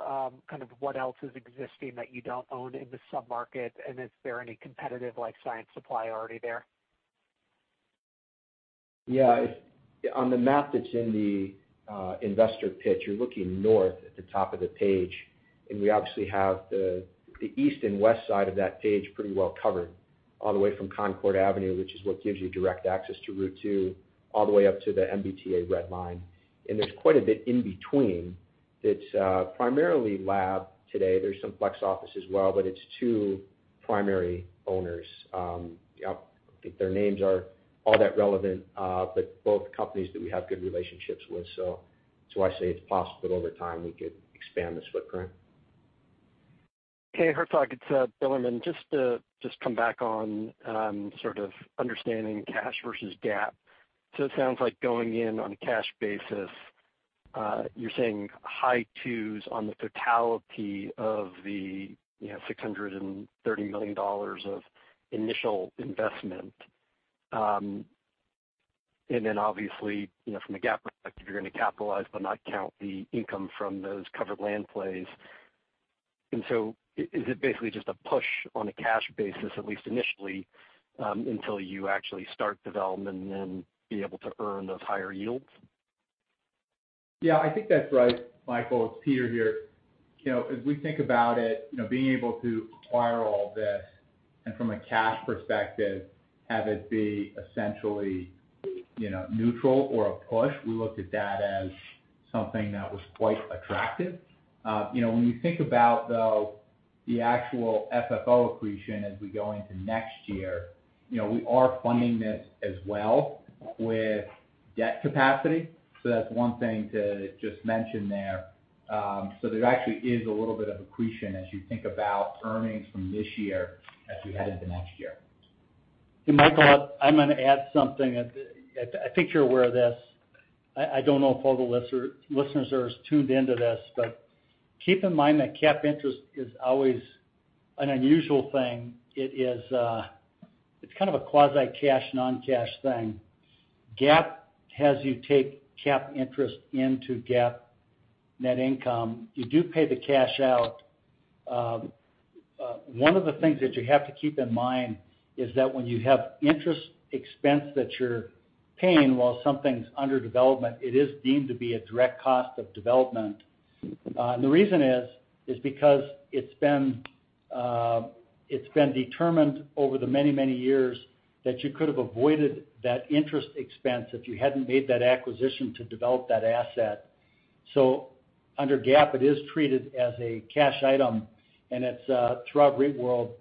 kind of what else is existing that you don't own in the sub-market, and is there any competitive life science supply already there? On the map that's in the investor pitch, you're looking north at the top of the page, and we obviously have the east and west side of that page pretty well covered all the way from Concord Avenue, which is what gives you direct access to Route 2, all the way up to the MBTA Red Line. There's quite a bit in between that's primarily lab today. There's some flex office as well, but it's two primary owners. I don't think their names are all that relevant, but both companies that we have good relationships with. That's why I say it's possible that over time we could expand this footprint. Hey, Herzog, it's Bilerman. Just to come back on sort of understanding cash versus GAAP. So it sounds like going in on a cash basis, you're saying high-2s on the totality of the, you know, $630 million of initial investment. And then obviously, you know, from a GAAP perspective, you're gonna capitalize but not count the income from those covered land plays. Is it basically just a push on a cash basis, at least initially, until you actually start development and then be able to earn those higher yields? Yeah, I think that's right, Michael. It's Pete here. You know, as we think about it, you know, being able to acquire all this and from a cash perspective, have it be essentially, you know, neutral or a push, we looked at that as something that was quite attractive. You know, when you think about, though, the actual FFO accretion as we go into next year, you know, we are funding this as well with debt capacity. That's one thing to just mention there. There actually is a little bit of accretion as you think about earnings from this year as we head into next year. Michael, I'm gonna add something. I think you're aware of this. I don't know if all the listeners are as tuned into this, but keep in mind that cap interest is always an unusual thing. It is, it's kind of a quasi-cash, non-cash thing. GAAP has you take cap interest into GAAP net income. You do pay the cash out. One of the things that you have to keep in mind is that when you have interest expense that you're paying while something's under development, it is deemed to be a direct cost of development. The reason is because it's been determined over the many years that you could have avoided that interest expense if you hadn't made that acquisition to develop that asset. Under GAAP, it is treated as a cash item, and it's throughout REIT world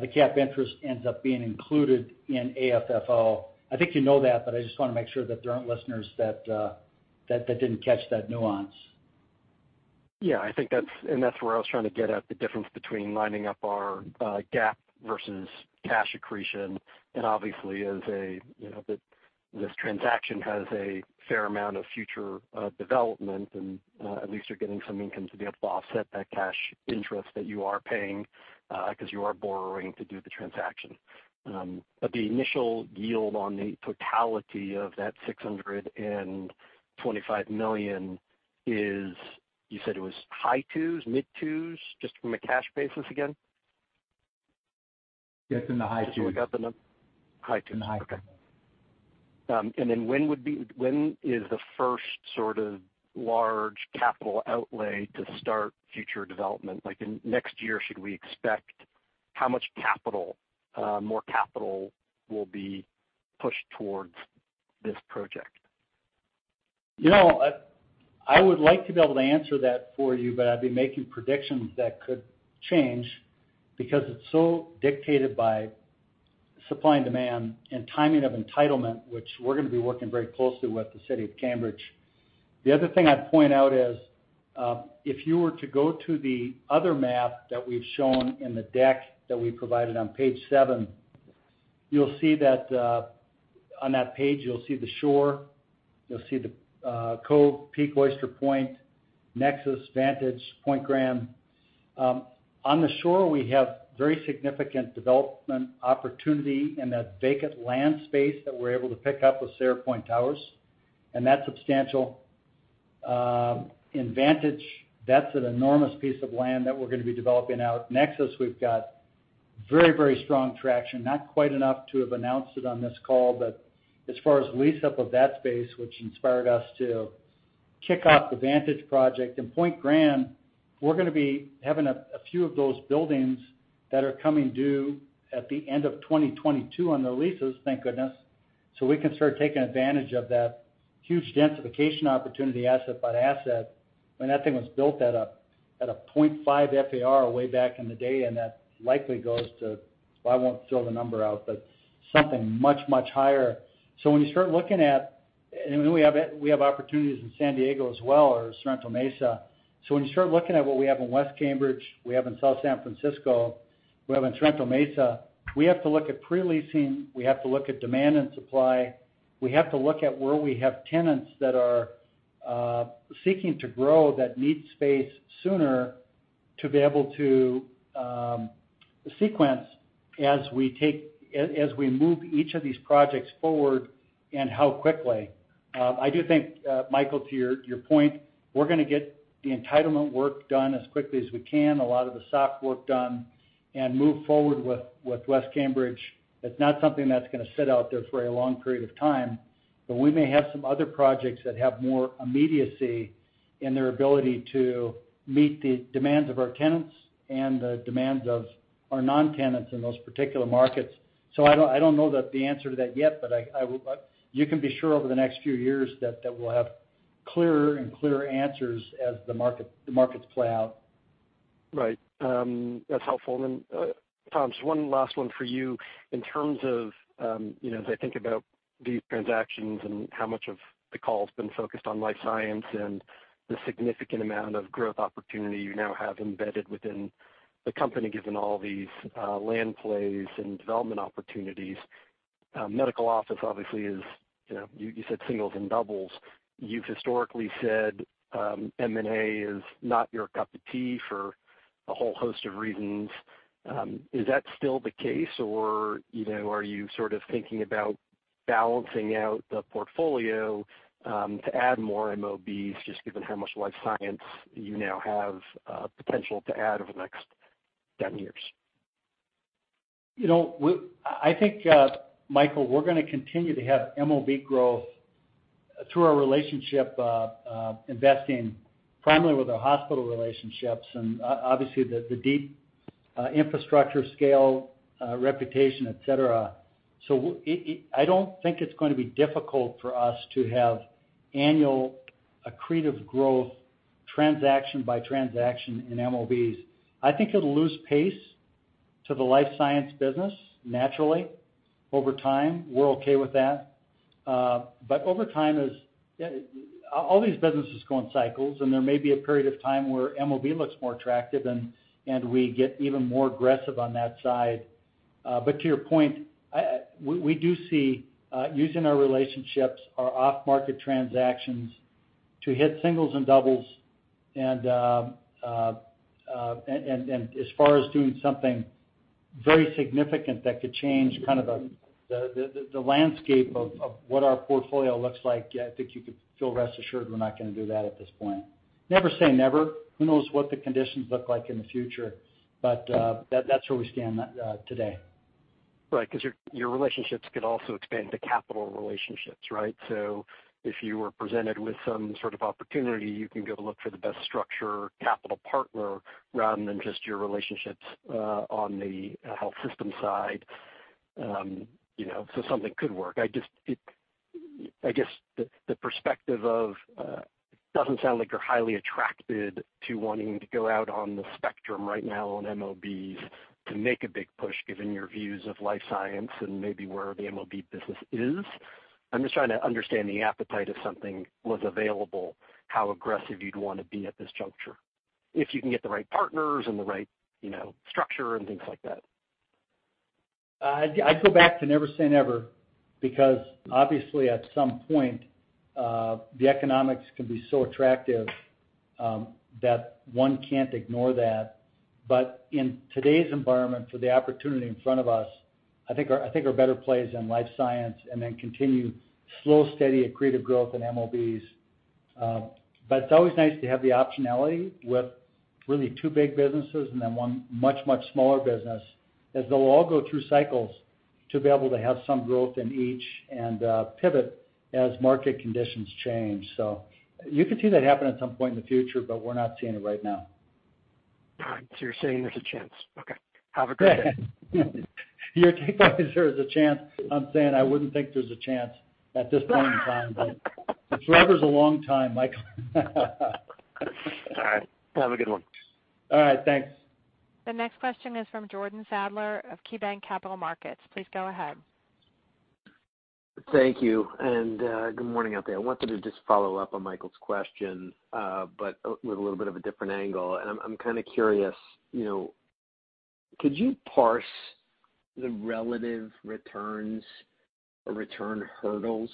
the cap interest ends up being included in AFFO. I think you know that, but I just wanna make sure that there aren't listeners that didn't catch that nuance. Yeah, I think that's where I was trying to get at the difference between lining up our GAAP versus cash accretion. Obviously, this transaction has a fair amount of future development and at least you're getting some income to be able to offset that cash interest that you are paying 'cause you are borrowing to do the transaction. The initial yield on the totality of that $625 million is, you said it was high-2s, mid-2s, just from a cash basis again? Yes, in the high-2s. So we got the nu- High-2s. High twos. Okay. When is the first sort of large capital outlay to start future development? Like in next year, should we expect how much capital, more capital will be pushed towards this project? You know, I would like to be able to answer that for you, but I'd be making predictions that could change because it's so dictated by supply and demand and timing of entitlement, which we're gonna be working very closely with the city of Cambridge. The other thing I'd point out is, if you were to go to the other map that we've shown in the deck that we provided on page seven, you'll see that, on that page, you'll see the Shore, you'll see the Cove at Oyster Point, Nexus, Vantage, Pointe Grand. On the Shore, we have very significant development opportunity in that vacant land space that we're able to pick up with Sierra Point Towers, and that's substantial. In Vantage, that's an enormous piece of land that we're gonna be developing out. Nexus, we've got very, very strong traction, not quite enough to have announced it on this call. As far as lease up of that space, which inspired us to kick off the Vantage project. In Pointe Grand, we're gonna be having a few of those buildings that are coming due at the end of 2022 on the leases, thank goodness. We can start taking advantage of that huge densification opportunity asset by asset. I mean, that thing was built at a 0.5 FAR way back in the day, and that likely goes to, well, I won't fill the number out, but something much, much higher. When you start looking at. We have opportunities in San Diego as well or Sorrento Mesa. When you start looking at what we have in West Cambridge, we have in South San Francisco, we have in Sorrento Mesa, we have to look at pre-leasing, we have to look at demand and supply. We have to look at where we have tenants that are seeking to grow, that need space sooner to be able to sequence as we move each of these projects forward and how quickly. I do think, Michael, to your point, we're gonna get the entitlement work done as quickly as we can, a lot of the soft work done, and move forward with West Cambridge. It's not something that's gonna sit out there for a long period of time. We may have some other projects that have more immediacy in their ability to meet the demands of our tenants and the demands of our non-tenants in those particular markets. I don't know the answer to that yet, but I will. You can be sure over the next few years that we'll have clearer and clearer answers as the markets play out. Right. That's helpful. Tom, just one last one for you. In terms of, you know, as I think about these transactions and how much of the call has been focused on life science and the significant amount of growth opportunity you now have embedded within the company, given all these, land plays and development opportunities, medical office obviously is, you know, you said singles and doubles. You've historically said, M&A is not your cup of tea for a whole host of reasons. Is that still the case or, you know, are you sort of thinking about balancing out the portfolio, to add more MOBs, just given how much life science you now have, potential to add over the next 10 years? You know, I think, Michael, we're gonna continue to have MOB growth through our relationship, investing primarily with our hospital relationships and obviously, the deep infrastructure scale, reputation, et cetera. It, I don't think it's going to be difficult for us to have annual accretive growth transaction by transaction in MOBs. I think it'll lose pace to the life science business naturally over time. We're okay with that. But over time. All these businesses go in cycles, and there may be a period of time where MOB looks more attractive and we get even more aggressive on that side. But to your point, we do see using our relationships, our off-market transactions to hit singles and doubles. As far as doing something very significant that could change kind of the landscape of what our portfolio looks like, yeah, I think you could feel rest assured we're not gonna do that at this point. Never say never. Who knows what the conditions look like in the future? That's where we stand today. Right. 'Cause your relationships could also expand to capital relationships, right? If you were presented with some sort of opportunity, you can go look for the best structure capital partner rather than just your relationships on the health system side. You know, something could work. I guess the perspective doesn't sound like you're highly attracted to wanting to go out on the spectrum right now on MOBs to make a big push given your views of life science and maybe where the MOB business is. I'm just trying to understand the appetite if something was available, how aggressive you'd wanna be at this juncture. If you can get the right partners and the right, you know, structure and things like that. I go back to never say never, because obviously at some point, the economics can be so attractive, that one can't ignore that. In today's environment, for the opportunity in front of us, I think our better play is in life science and then continue slow, steady, accretive growth in MOBs. It's always nice to have the optionality with really two big businesses and then one much, much smaller business, as they'll all go through cycles, to be able to have some growth in each and pivot as market conditions change. You could see that happen at some point in the future, but we're not seeing it right now. All right. You're saying there's a chance. Okay. Have a great day. You take like there's a chance. I'm saying I wouldn't think there's a chance at this point in time. Forever is a long time, Michael. All right, have a good one. All right, thanks. The next question is from Jordan Sadler of KeyBanc Capital Markets. Please go ahead. Thank you, and good morning out there. I wanted to just follow up on Michael's question, but with a little bit of a different angle. I'm kinda curious, you know, could you parse the relative returns or return hurdles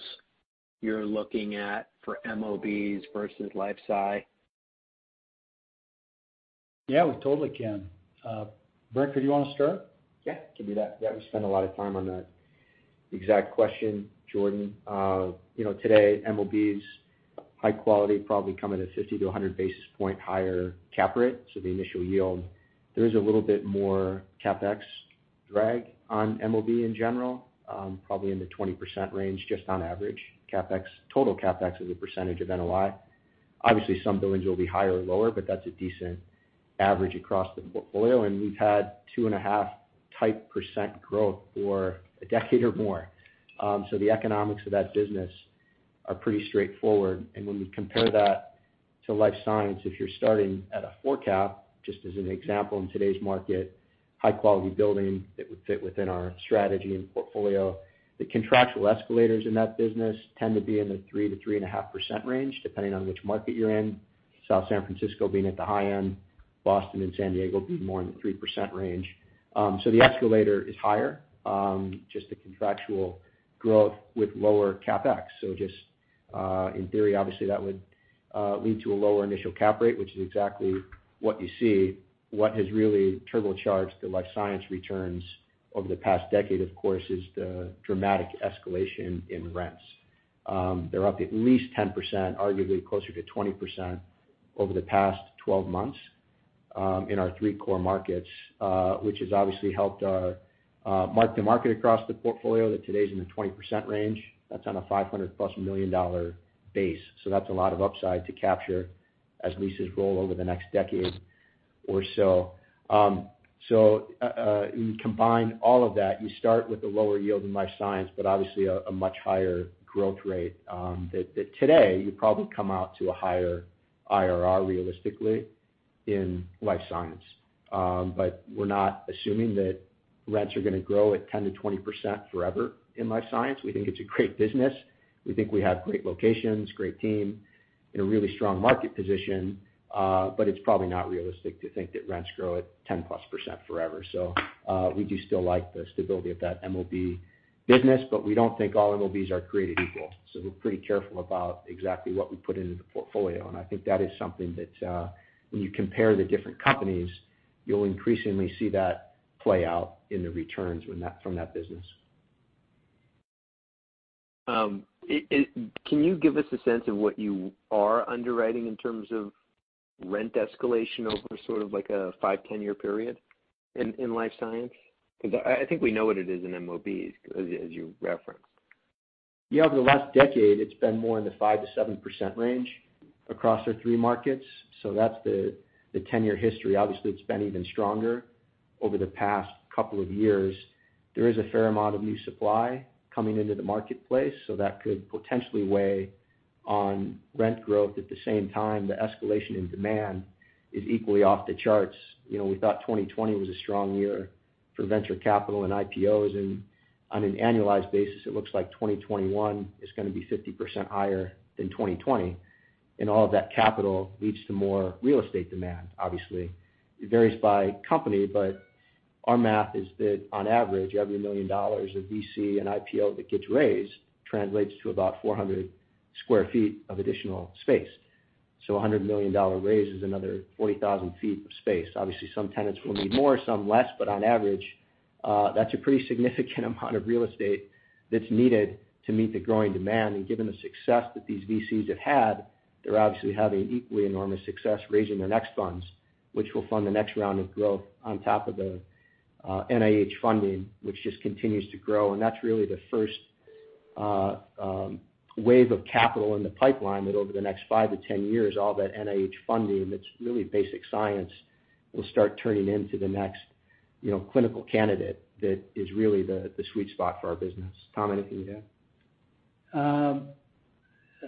you're looking at for MOBs versus life sci? Yeah, we totally can. Brinker, do you wanna start? Yeah, can do that. Yeah, we spend a lot of time on that exact question, Jordan. You know, today, MOB's high quality probably come at a 50-100 basis points higher cap rate, so the initial yield. There is a little bit more CapEx drag on MOB in general, probably in the 20% range, just on average. CapEx, total CapEx as a percentage of NOI. Obviously, some buildings will be higher or lower, but that's a decent average across the portfolio. We've had 2.5%-type percent growth for a decade or more. The economics of that business are pretty straightforward. When we compare that to life science, if you're starting at a 4% cap, just as an example, in today's market, high quality building that would fit within our strategy and portfolio, the contractual escalators in that business tend to be in the 3%-3.5% range, depending on which market you're in. South San Francisco being at the high end, Boston and San Diego being more in the 3% range. So the escalator is higher, just the contractual growth with lower CapEx. So just in theory, obviously, that would lead to a lower initial cap rate, which is exactly what you see. What has really turbocharged the life science returns over the past decade, of course, is the dramatic escalation in rents. They're up at least 10%, arguably closer to 20% over the past 12 months, in our three core markets, which has obviously helped our mark-to-market across the portfolio that's in the 20% range. That's on a $500+ million base, so that's a lot of upside to capture as leases roll over the next decade or so. You combine all of that, you start with the lower yield in life science, but obviously a much higher growth rate, that today you probably come out to a higher IRR realistically in life science. We're not assuming that rents are gonna grow at 10%-20% forever in life science. We think it's a great business. We think we have great locations, great team in a really strong market position, but it's probably not realistic to think that rents grow at 10%+ forever. We do still like the stability of that MOB business, but we don't think all MOBs are created equal. We're pretty careful about exactly what we put into the portfolio. I think that is something that, when you compare the different companies, you'll increasingly see that play out in the returns from that business. Can you give us a sense of what you are underwriting in terms of rent escalation over sort of like a five to 10-year period in life science? 'Cause I think we know what it is in MOBs as you referenced. Yeah, over the last decade, it's been more in the 5%-7% range across our three markets. So that's the 10-year history. Obviously, it's been even stronger over the past couple of years. There is a fair amount of new supply coming into the marketplace, so that could potentially weigh on rent growth. At the same time, the escalation in demand is equally off the charts. You know, we thought 2020 was a strong year for venture capital and IPOs, and on an annualized basis, it looks like 2021 is gonna be 50% higher than 2020. All of that capital leads to more real estate demand, obviously. It varies by company, but our math is that on average, every $1 million of VC and IPO that gets raised translates to about 400 sq ft of additional space. A hundred million dollar raise is another 40,000 ft of space. Obviously, some tenants will need more, some less, but on average, that's a pretty significant amount of real estate that's needed to meet the growing demand. Given the success that these VCs have had, they're obviously having equally enormous success raising their next funds, which will fund the next round of growth on top of the NIH funding, which just continues to grow. That's really the first wave of capital in the pipeline that over the next five to 10 years, all that NIH funding, that's really basic science, will start turning into the next clinical candidate that is really the sweet spot for our business. Tom, anything to add?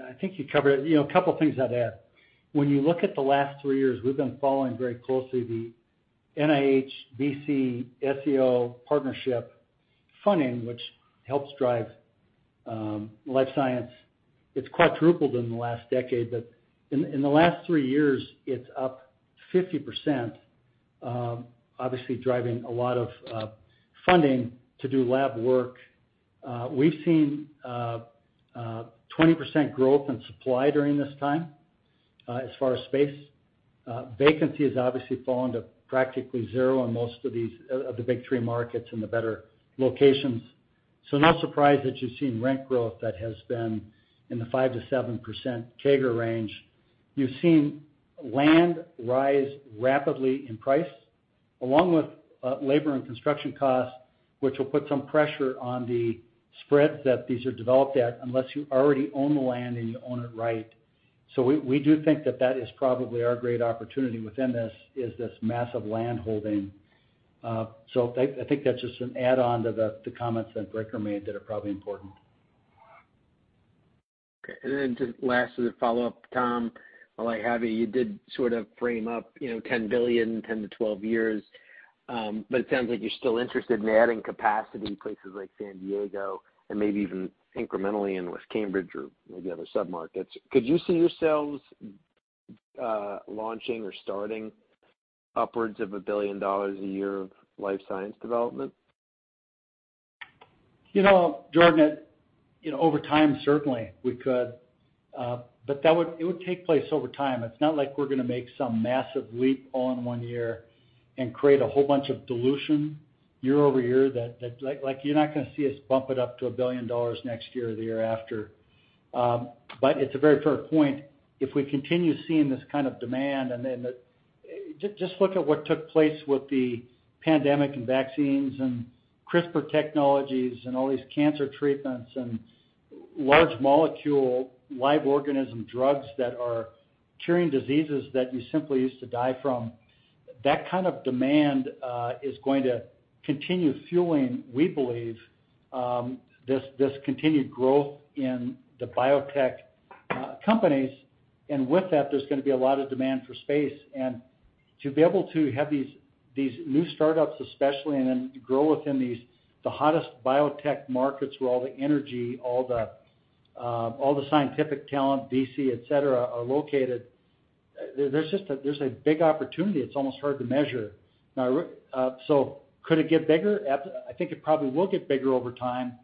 I think you covered it. You know, a couple things I'd add. When you look at the last three years, we've been following very closely the NIH, VC, IPO partnership funding, which helps drive life science, it's quadrupled in the last decade, but in the last three years, it's up 50%, obviously driving a lot of funding to do lab work. We've seen 20% growth in supply during this time, as far as space. Vacancy has obviously fallen to practically zero on most of these of the big three markets in the better locations. No surprise that you've seen rent growth that has been in the 5%-7% CAGR range. You've seen land rise rapidly in price, along with labor and construction costs, which will put some pressure on the spreads that these are developed at unless you already own the land and you own it right. We do think that is probably our great opportunity within this, is this massive landholding. I think that's just an add-on to the comments that Brinker made that are probably important. Okay. Just lastly, to follow up, Tom, while I have you did sort of frame up, you know, $10 billion in 10 to 12 years, but it sounds like you're still interested in adding capacity in places like San Diego and maybe even incrementally in West Cambridge or maybe other submarkets. Could you see yourselves launching or starting upwards of $1 billion a year of life science development? You know, Jordan, over time, certainly we could, but it would take place over time. It's not like we're gonna make some massive leap all in one year and create a whole bunch of dilution year-over-year that, like, you're not gonna see us bump it up to $1 billion next year or the year after. But it's a very fair point. If we continue seeing this kind of demand and then just look at what took place with the pandemic and vaccines and CRISPR technologies and all these cancer treatments and large molecule live organism drugs that are curing diseases that you simply used to die from. That kind of demand is going to continue fueling, we believe, this continued growth in the biotech companies, and with that, there's gonna be a lot of demand for space. To be able to have these new startups especially, and then grow within the hottest biotech markets where all the energy, all the scientific talent, VC, et cetera, are located, there's a big opportunity. It's almost hard to measure. Now, so could it get bigger? I think it probably will get bigger over time,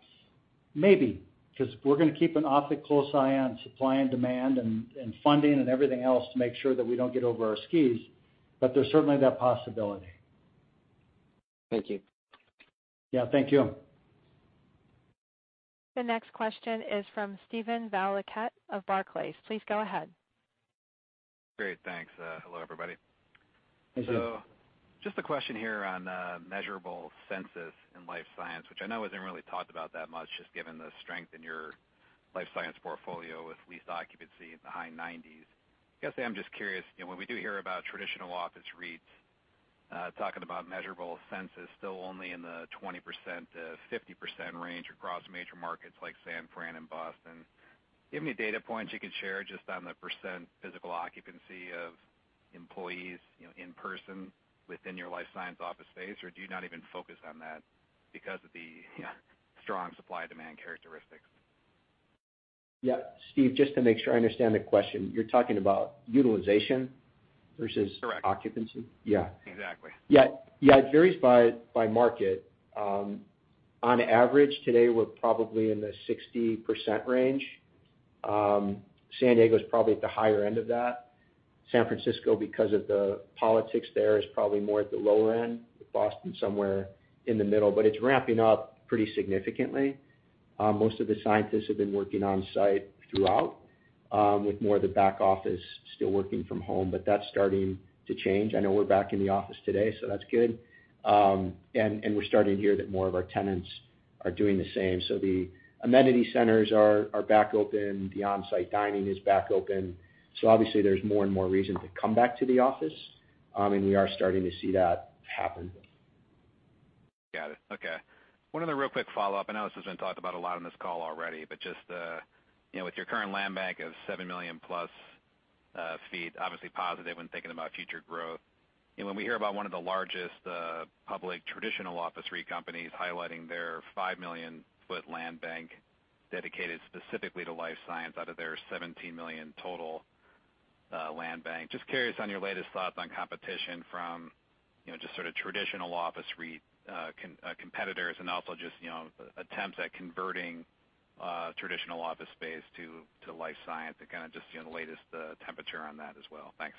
maybe, 'cause we're gonna keep an awfully close eye on supply and demand and funding and everything else to make sure that we don't get over our skis. There's certainly that possibility. Thank you. Yeah, thank you. The next question is from Steven Valiquette of Barclays. Please go ahead. Great. Thanks. Hello, everybody. Hey, Steve. Just a question here on measurable census in life science, which I know isn't really talked about that much just given the strength in your life science portfolio with lease occupancy in the high-90s. I guess I am just curious, you know, when we do hear about traditional office REITs talking about measurable census still only in the 20%-50% range across major markets like San Fran and Boston, do you have any data points you could share just on the percent physical occupancy of employees, you know, in person within your life science office space, or do you not even focus on that because of the, you know, strong supply-demand characteristics? Yeah. Steve, just to make sure I understand the question. You're talking about utilization versus- Correct. ...occupancy? Yeah. Exactly. Yeah. Yeah, it varies by market. On average, today, we're probably in the 60% range. San Diego's probably at the higher end of that. San Francisco, because of the politics there, is probably more at the lower end, with Boston somewhere in the middle, but it's ramping up pretty significantly. Most of the scientists have been working on-site throughout, with more of the back office still working from home, but that's starting to change. I know we're back in the office today, so that's good. And we're starting to hear that more of our tenants are doing the same. The amenity centers are back open. The on-site dining is back open. Obviously there's more and more reason to come back to the office, and we are starting to see that happen. Got it. Okay. One other real quick follow-up. I know this has been talked about a lot on this call already, but just, you know, with your current land bank of 7 million+ ft, obviously positive when thinking about future growth. You know, when we hear about one of the largest public traditional office REIT companies highlighting their 5 million foot land bank dedicated specifically to life science out of their 17 million total land bank, just curious on your latest thoughts on competition from, you know, just sort of traditional office REIT competitors and also just, you know, attempts at converting traditional office space to life science and kinda just, you know, the latest temperature on that as well. Thanks.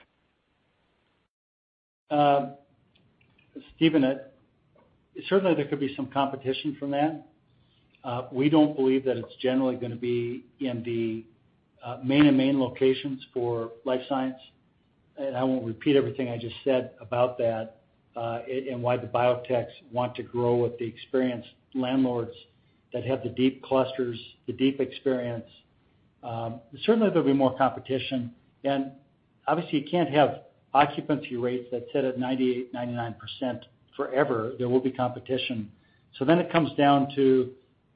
Steven, certainly there could be some competition from that. We don't believe that it's generally gonna be in the mainstream locations for life science. I won't repeat everything I just said about that, why the biotechs want to grow with the experienced landlords that have the deep clusters, the deep experience. Certainly, there'll be more competition. Obviously, you can't have occupancy rates that sit at 98%-99% forever. There will be competition. It comes down to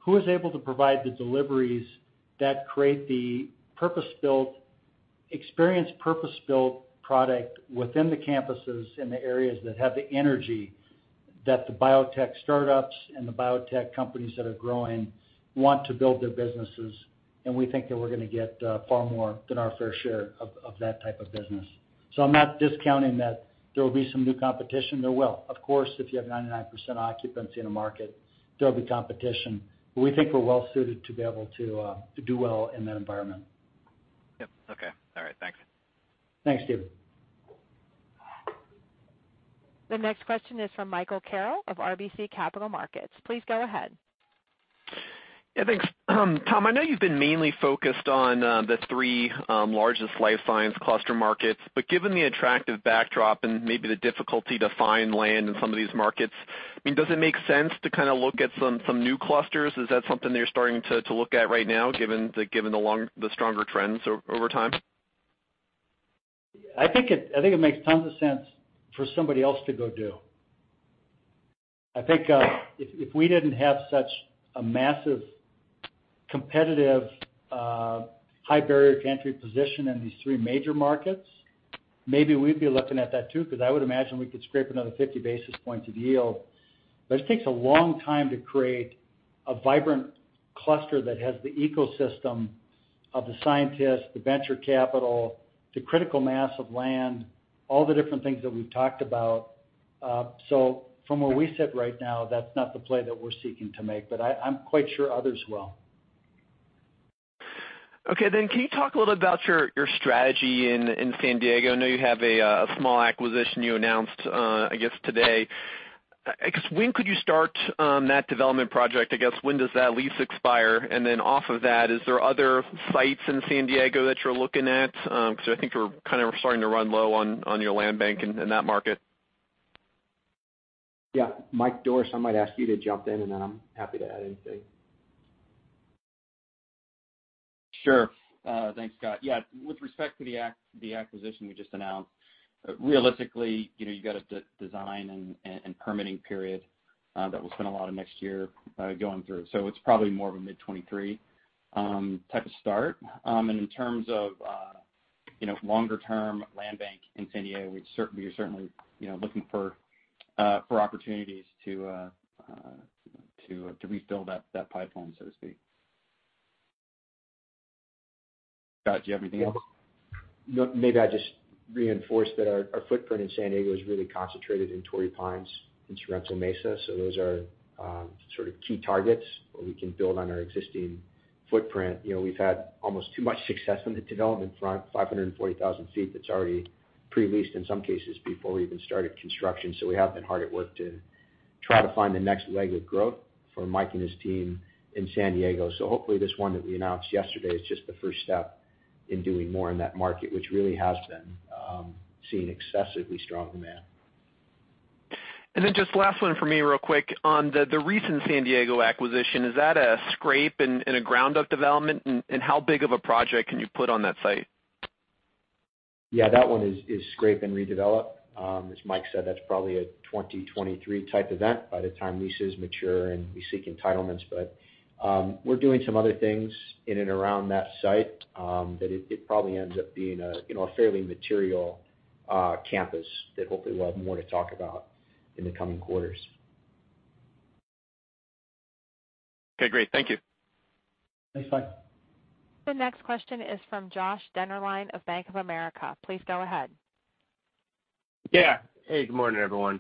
who is able to provide the deliveries that create the purpose-built experience, purpose-built product within the campuses in the areas that have the energy that the biotech startups and the biotech companies that are growing want to build their businesses, and we think that we're gonna get far more than our fair share of that type of business. I'm not discounting that there will be some new competition. There will. Of course, if you have 99% occupancy in a market, there'll be competition, but we think we're well suited to be able to do well in that environment. Yep. Okay. All right. Thanks. Thanks, Steven. The next question is from Michael Carroll of RBC Capital Markets. Please go ahead. Yeah. Thanks. Tom, I know you've been mainly focused on the three largest life science cluster markets, but given the attractive backdrop and maybe the difficulty to find land in some of these markets, I mean, does it make sense to kinda look at some new clusters? Is that something that you're starting to look at right now, given the stronger trends over time? I think it makes tons of sense for somebody else to go do. I think if we didn't have such a massive competitive high barrier to entry position in these three major markets, maybe we'd be looking at that too, 'cause I would imagine we could scrape another 50 basis points of yield. It takes a long time to create a vibrant cluster that has the ecosystem of the scientists, the venture capital, the critical mass of land, all the different things that we've talked about. From where we sit right now, that's not the play that we're seeking to make, I'm quite sure others will. Okay. Can you talk a little about your strategy in San Diego? I know you have a small acquisition you announced, I guess today. I guess when could you start that development project? I guess when does that lease expire? Off of that, is there other sites in San Diego that you're looking at? 'Cause I think you're kind of starting to run low on your land bank in that market. Yeah. Mike Dorris, I might ask you to jump in, and then I'm happy to add anything. Sure. Thanks, Scott. Yeah. With respect to the acquisition we just announced, realistically, you know, you got a design and permitting period that we'll spend a lot of next year going through. It's probably more of a mid-2023 type of start. In terms of, you know, longer term land bank in San Diego, we are certainly looking for opportunities to refill that pipeline, so to speak. Scott, do you have anything else? No. Maybe I'd just reinforce that our footprint in San Diego is really concentrated in Torrey Pines and Sorrento Mesa. Those are sort of key targets where we can build on our existing footprint. You know, we've had almost too much success on the development front, 540,000 sq ft that's already pre-leased in some cases before we even started construction. We have been hard at work to try to find the next leg of growth for Mike and his team in San Diego. Hopefully this one that we announced yesterday is just the first step in doing more in that market, which really has been seeing excessively strong demand. Just last one for me real quick. On the recent San Diego acquisition, is that a scrape and a ground up development? How big of a project can you put on that site? Yeah, that one is scrape and redevelop. As Mike said, that's probably a 2023 type event by the time leases mature and we seek entitlements. We're doing some other things in and around that site that it probably ends up being a, you know, a fairly material campus that hopefully we'll have more to talk about in the coming quarters. Okay, great. Thank you. Thanks, Mike. The next question is from Josh Dennerlein of Bank of America. Please go ahead. Yeah. Hey, good morning, everyone.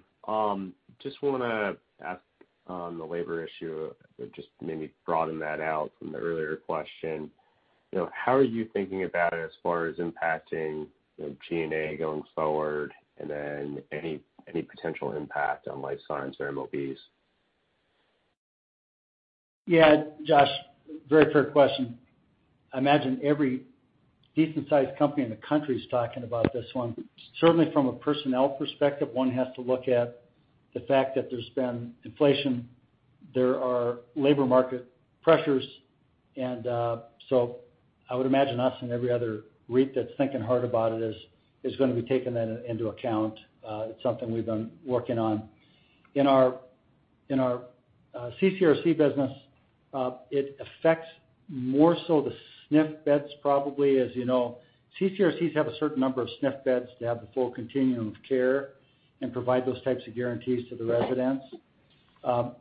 Just wanna ask on the labor issue, just maybe broaden that out from the earlier question. You know, how are you thinking about it as far as impacting, you know, G&A going forward, and then any potential impact on life science or MOBs? Yeah. Josh, very fair question. I imagine every decent sized company in the country is talking about this one. Certainly from a personnel perspective, one has to look at the fact that there's been inflation, there are labor market pressures. I would imagine us and every other REIT that's thinking hard about it is gonna be taking that into account. It's something we've been working on. In our CCRC business, it affects more so the SNF beds probably. As you know, CCRCs have a certain number of SNF beds to have the full continuum of care and provide those types of guarantees to the residents.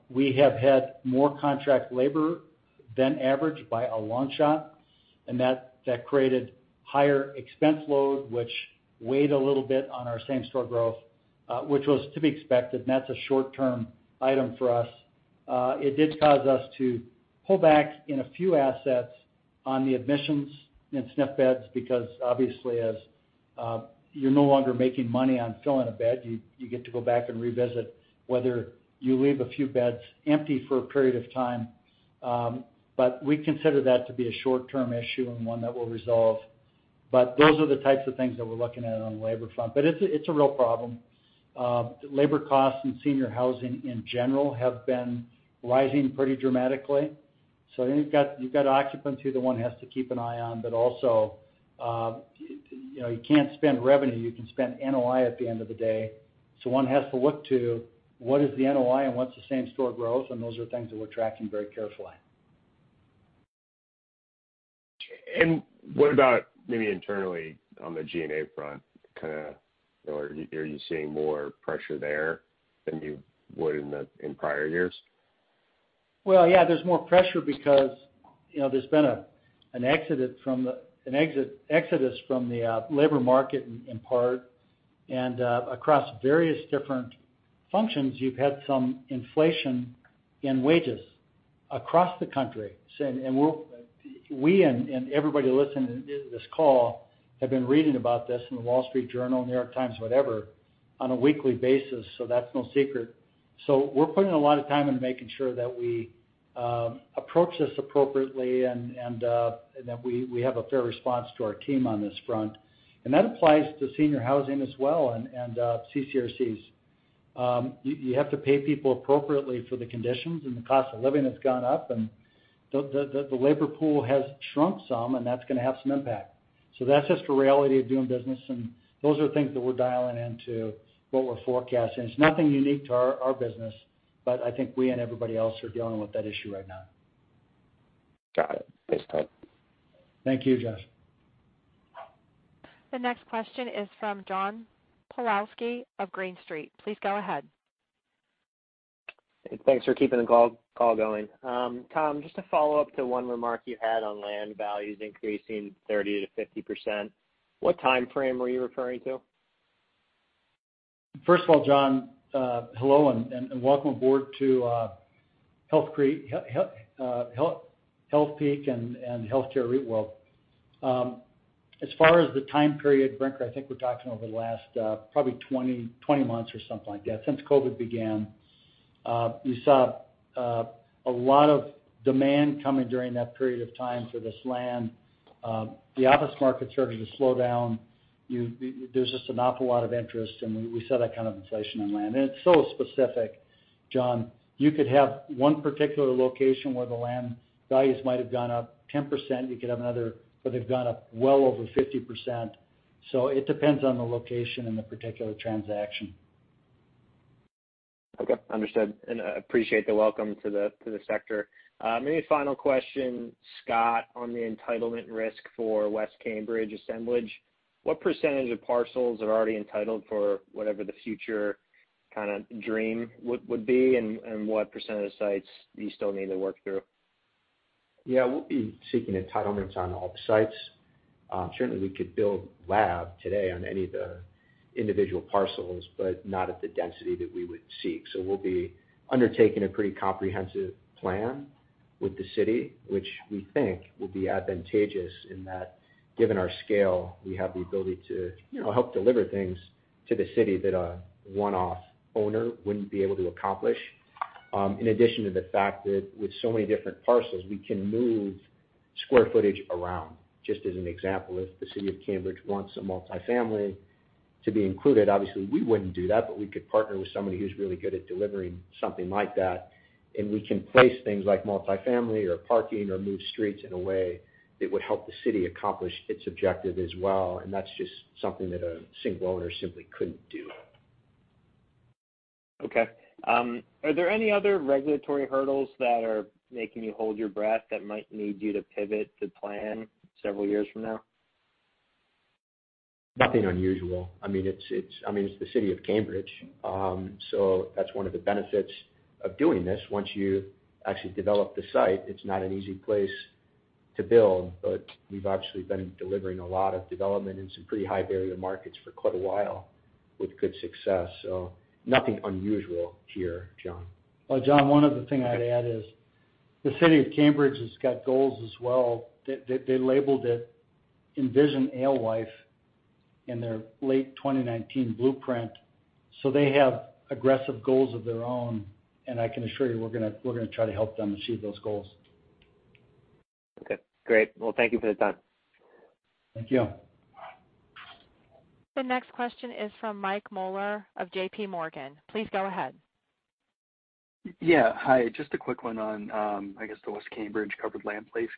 We have had more contract labor than average by a long shot, and that created higher expense load, which weighed a little bit on our same-store growth, which was to be expected, and that's a short-term item for us. It did cause us to pull back in a few assets on the admissions in SNF beds because obviously as you're no longer making money on filling a bed, you get to go back and revisit whether you leave a few beds empty for a period of time. We consider that to be a short-term issue and one that we'll resolve. Those are the types of things that we're looking at on the labor front. It's a real problem. Labor costs in senior housing in general have been rising pretty dramatically. You've got occupancy that one has to keep an eye on, but also, you know, you can't spend revenue. You can spend NOI at the end of the day. One has to look to what is the NOI, and what's the same-store growth, and those are things that we're tracking very carefully. What about maybe internally on the G&A front? Kinda, you know, are you seeing more pressure there than you would in prior years? Well, yeah, there's more pressure because, you know, there's been an exodus from the labor market in part. Across various different functions, you've had some inflation in wages across the country. We and everybody listening in to this call have been reading about this in the Wall Street Journal, New York Times, whatever, on a weekly basis, so that's no secret. We're putting a lot of time into making sure that we approach this appropriately and that we have a fair response to our team on this front. That applies to senior housing as well and CCRCs. You have to pay people appropriately for the conditions, and the cost of living has gone up, and the labor pool has shrunk some, and that's gonna have some impact. That's just the reality of doing business, and those are things that we're dialing into what we're forecasting. It's nothing unique to our business, but I think we and everybody else are dealing with that issue right now. Got it. Thanks, Tom. Thank you, Josh. The next question is from John Pawlowski of Green Street. Please go ahead. Thanks for keeping the call going. Tom, just to follow up to one remark you had on land values increasing 30%-50%. What timeframe were you referring to? First of all, John, hello, and welcome aboard to Healthpeak and Healthcare REIT world. As far as the time period, Brinker, I think we're talking over the last probably 20 months or something like that, since COVID began. We saw a lot of demand coming during that period of time for this land. The office market started to slow down. There's just an awful lot of interest, and we saw that kind of inflation on land. It's so specific, John. You could have one particular location where the land values might have gone up 10%. You could have another where they've gone up well over 50%. It depends on the location and the particular transaction. Okay. Understood. I appreciate the welcome to the sector. Maybe a final question, Scott, on the entitlement risk for West Cambridge assemblage. What percentage of parcels are already entitled for whatever the future kinda dream would be, and what percentage of sites do you still need to work through? Yeah. We'll be seeking entitlements on all the sites. Certainly we could build lab today on any of the individual parcels, but not at the density that we would seek. We'll be undertaking a pretty comprehensive plan with the city, which we think will be advantageous in that given our scale, we have the ability to, you know, help deliver things to the city that a one-off owner wouldn't be able to accomplish. In addition to the fact that with so many different parcels, we can move square footage around. Just as an example, if the City of Cambridge wants a multifamily to be included, obviously, we wouldn't do that, but we could partner with somebody who's really good at delivering something like that, and we can place things like multifamily or parking or move streets in a way that would help the city accomplish its objective as well. That's just something that a single owner simply couldn't do. Okay. Are there any other regulatory hurdles that are making you hold your breath that might need you to pivot the plan several years from now? Nothing unusual. I mean, it's the city of Cambridge. That's one of the benefits of doing this. Once you actually develop the site, it's not an easy place to build, but we've obviously been delivering a lot of development in some pretty high barrier markets for quite a while with good success. Nothing unusual here, John. Well, John, one other thing I'd add is the city of Cambridge has got goals as well. They labeled it Envision Alewife in their late 2019 blueprint. They have aggressive goals of their own, and I can assure you we're gonna try to help them achieve those goals. Okay. Great. Well, thank you for the time. Thank you. The next question is from Michael Mueller of JPMorgan. Please go ahead. Yeah. Hi. Just a quick one on, I guess, the West Cambridge covered land lease.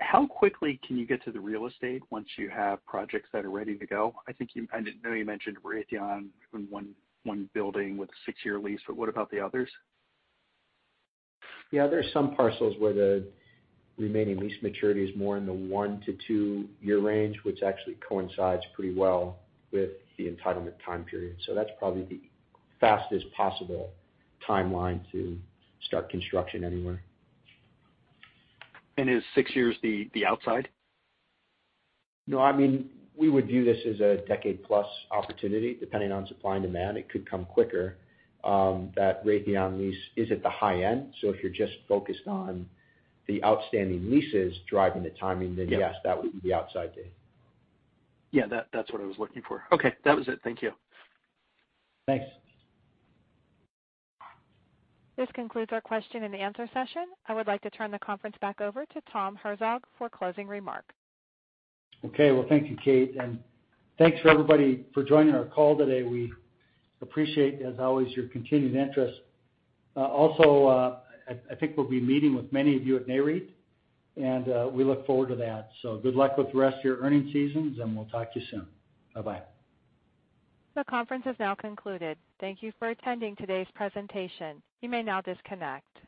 How quickly can you get to the real estate once you have projects that are ready to go? I know you mentioned Raytheon in one building with a six-year lease, but what about the others? Yeah. There are some parcels where the remaining lease maturity is more in the one to two-year range, which actually coincides pretty well with the entitlement time period. That's probably the fastest possible timeline to start construction anywhere. Is six years the outside? No. I mean, we would view this as a decade-plus opportunity. Depending on supply and demand, it could come quicker. That Raytheon lease is at the high end. So if you're just focused on the outstanding leases driving the timing. Yeah. Yes, that would be the outside date. Yeah. That, that's what I was looking for. Okay. That was it. Thank you. Thanks. This concludes our question and answer session. I would like to turn the conference back over to Tom Herzog for closing remarks. Okay. Well, thank you, Kate. Thanks to everybody for joining our call today. We appreciate, as always, your continued interest. Also, I think we'll be meeting with many of you at NAREIT, and we look forward to that. Good luck with the rest of your earnings season, and we'll talk to you soon. Bye-bye. The conference has now concluded. Thank you for attending today's presentation. You may now disconnect.